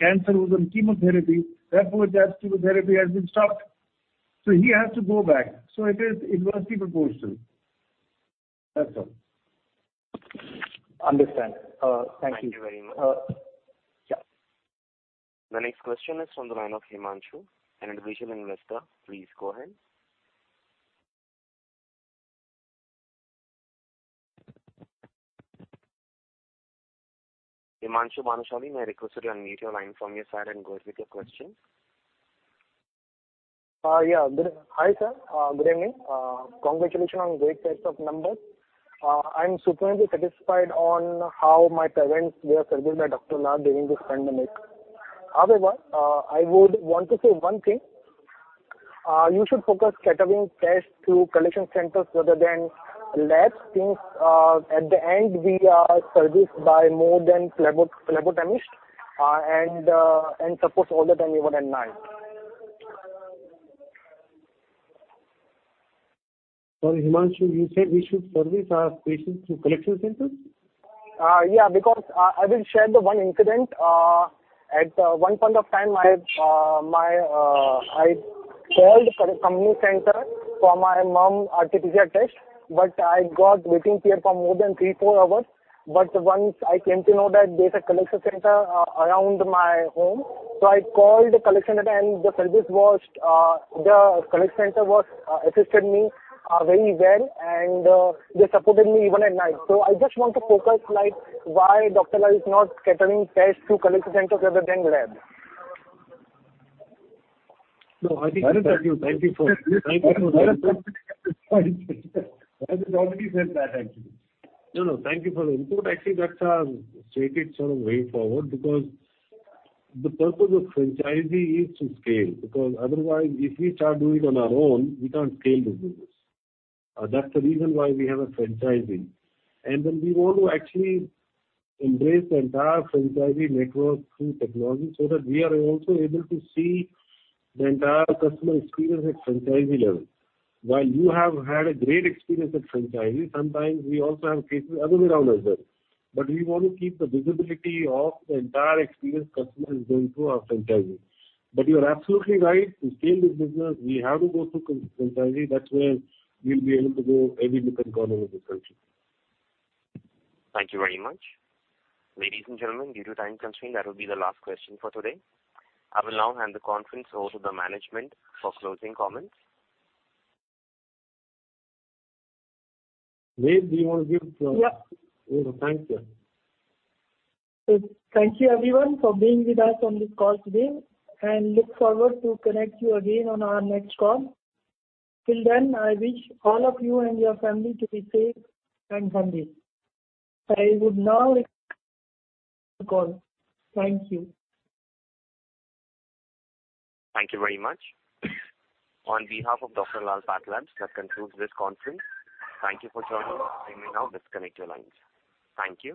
cancer who's on chemotherapy. That poor chap's chemotherapy has been stopped. He has to go back. It is inversely proportional. That's all. Understand. Thank you. Thank you very much. Yeah. The next question is from the line of Himanshu, an individual investor. Please go ahead. Himanshu Bhanushali, may I request you to unmute your line from your side and go ahead with your question? Yeah. Hi, sir. Good evening. Congratulations on great set of numbers. I'm supremely satisfied on how my parents were served by Dr. Lal during this pandemic. I would want to say one thing. You should focus setting tests through collection centers rather than labs, since at the end, we are serviced by more than phlebotomists. Support all the time, even at night. Himanshu, you said we should service our patients through collection centers? I will share the one incident. At one point of time, I called community center for my mom RT-PCR test. I got waiting period for more than three, four hours. Once I came to know that there's a collection center around my home. I called the collection center. The collection center assisted me very well, and they supported me even at night. I just want to focus like why Dr. Lal is not catering tests to collection centers other than labs. No, I think thank you for that. I think you already said that, actually. No, thank you for the input. Actually, that's our strategy going forward because the purpose of franchising is to scale, because otherwise if we start doing on our own, we can't scale the business. That's the reason why we have a franchising. We want to actually embrace the entire franchising network through technology so that we are also able to see the entire customer experience at franchising level. While you have had a great experience at franchising, sometimes we also have cases other way around as well. We want to keep the visibility of the entire experience customer is going through our franchising. You're absolutely right. To scale this business, we have to go through franchising. That's where we'll be able to go every nook and corner of the country. Thank you very much. Ladies and gentlemen, due to time constraint, that will be the last question for today. I will now hand the conference over to the management for closing comments. Ved, do you want to. Yeah. Thank you. Thank you everyone for being with us on this call today, and look forward to connect you again on our next call. Till then, I wish all of you and your family to be safe and healthy. I would now end the call. Thank you. Thank you very much. On behalf of Dr. Lal PathLabs, that concludes this conference. Thank you for joining. You may now disconnect your lines. Thank you.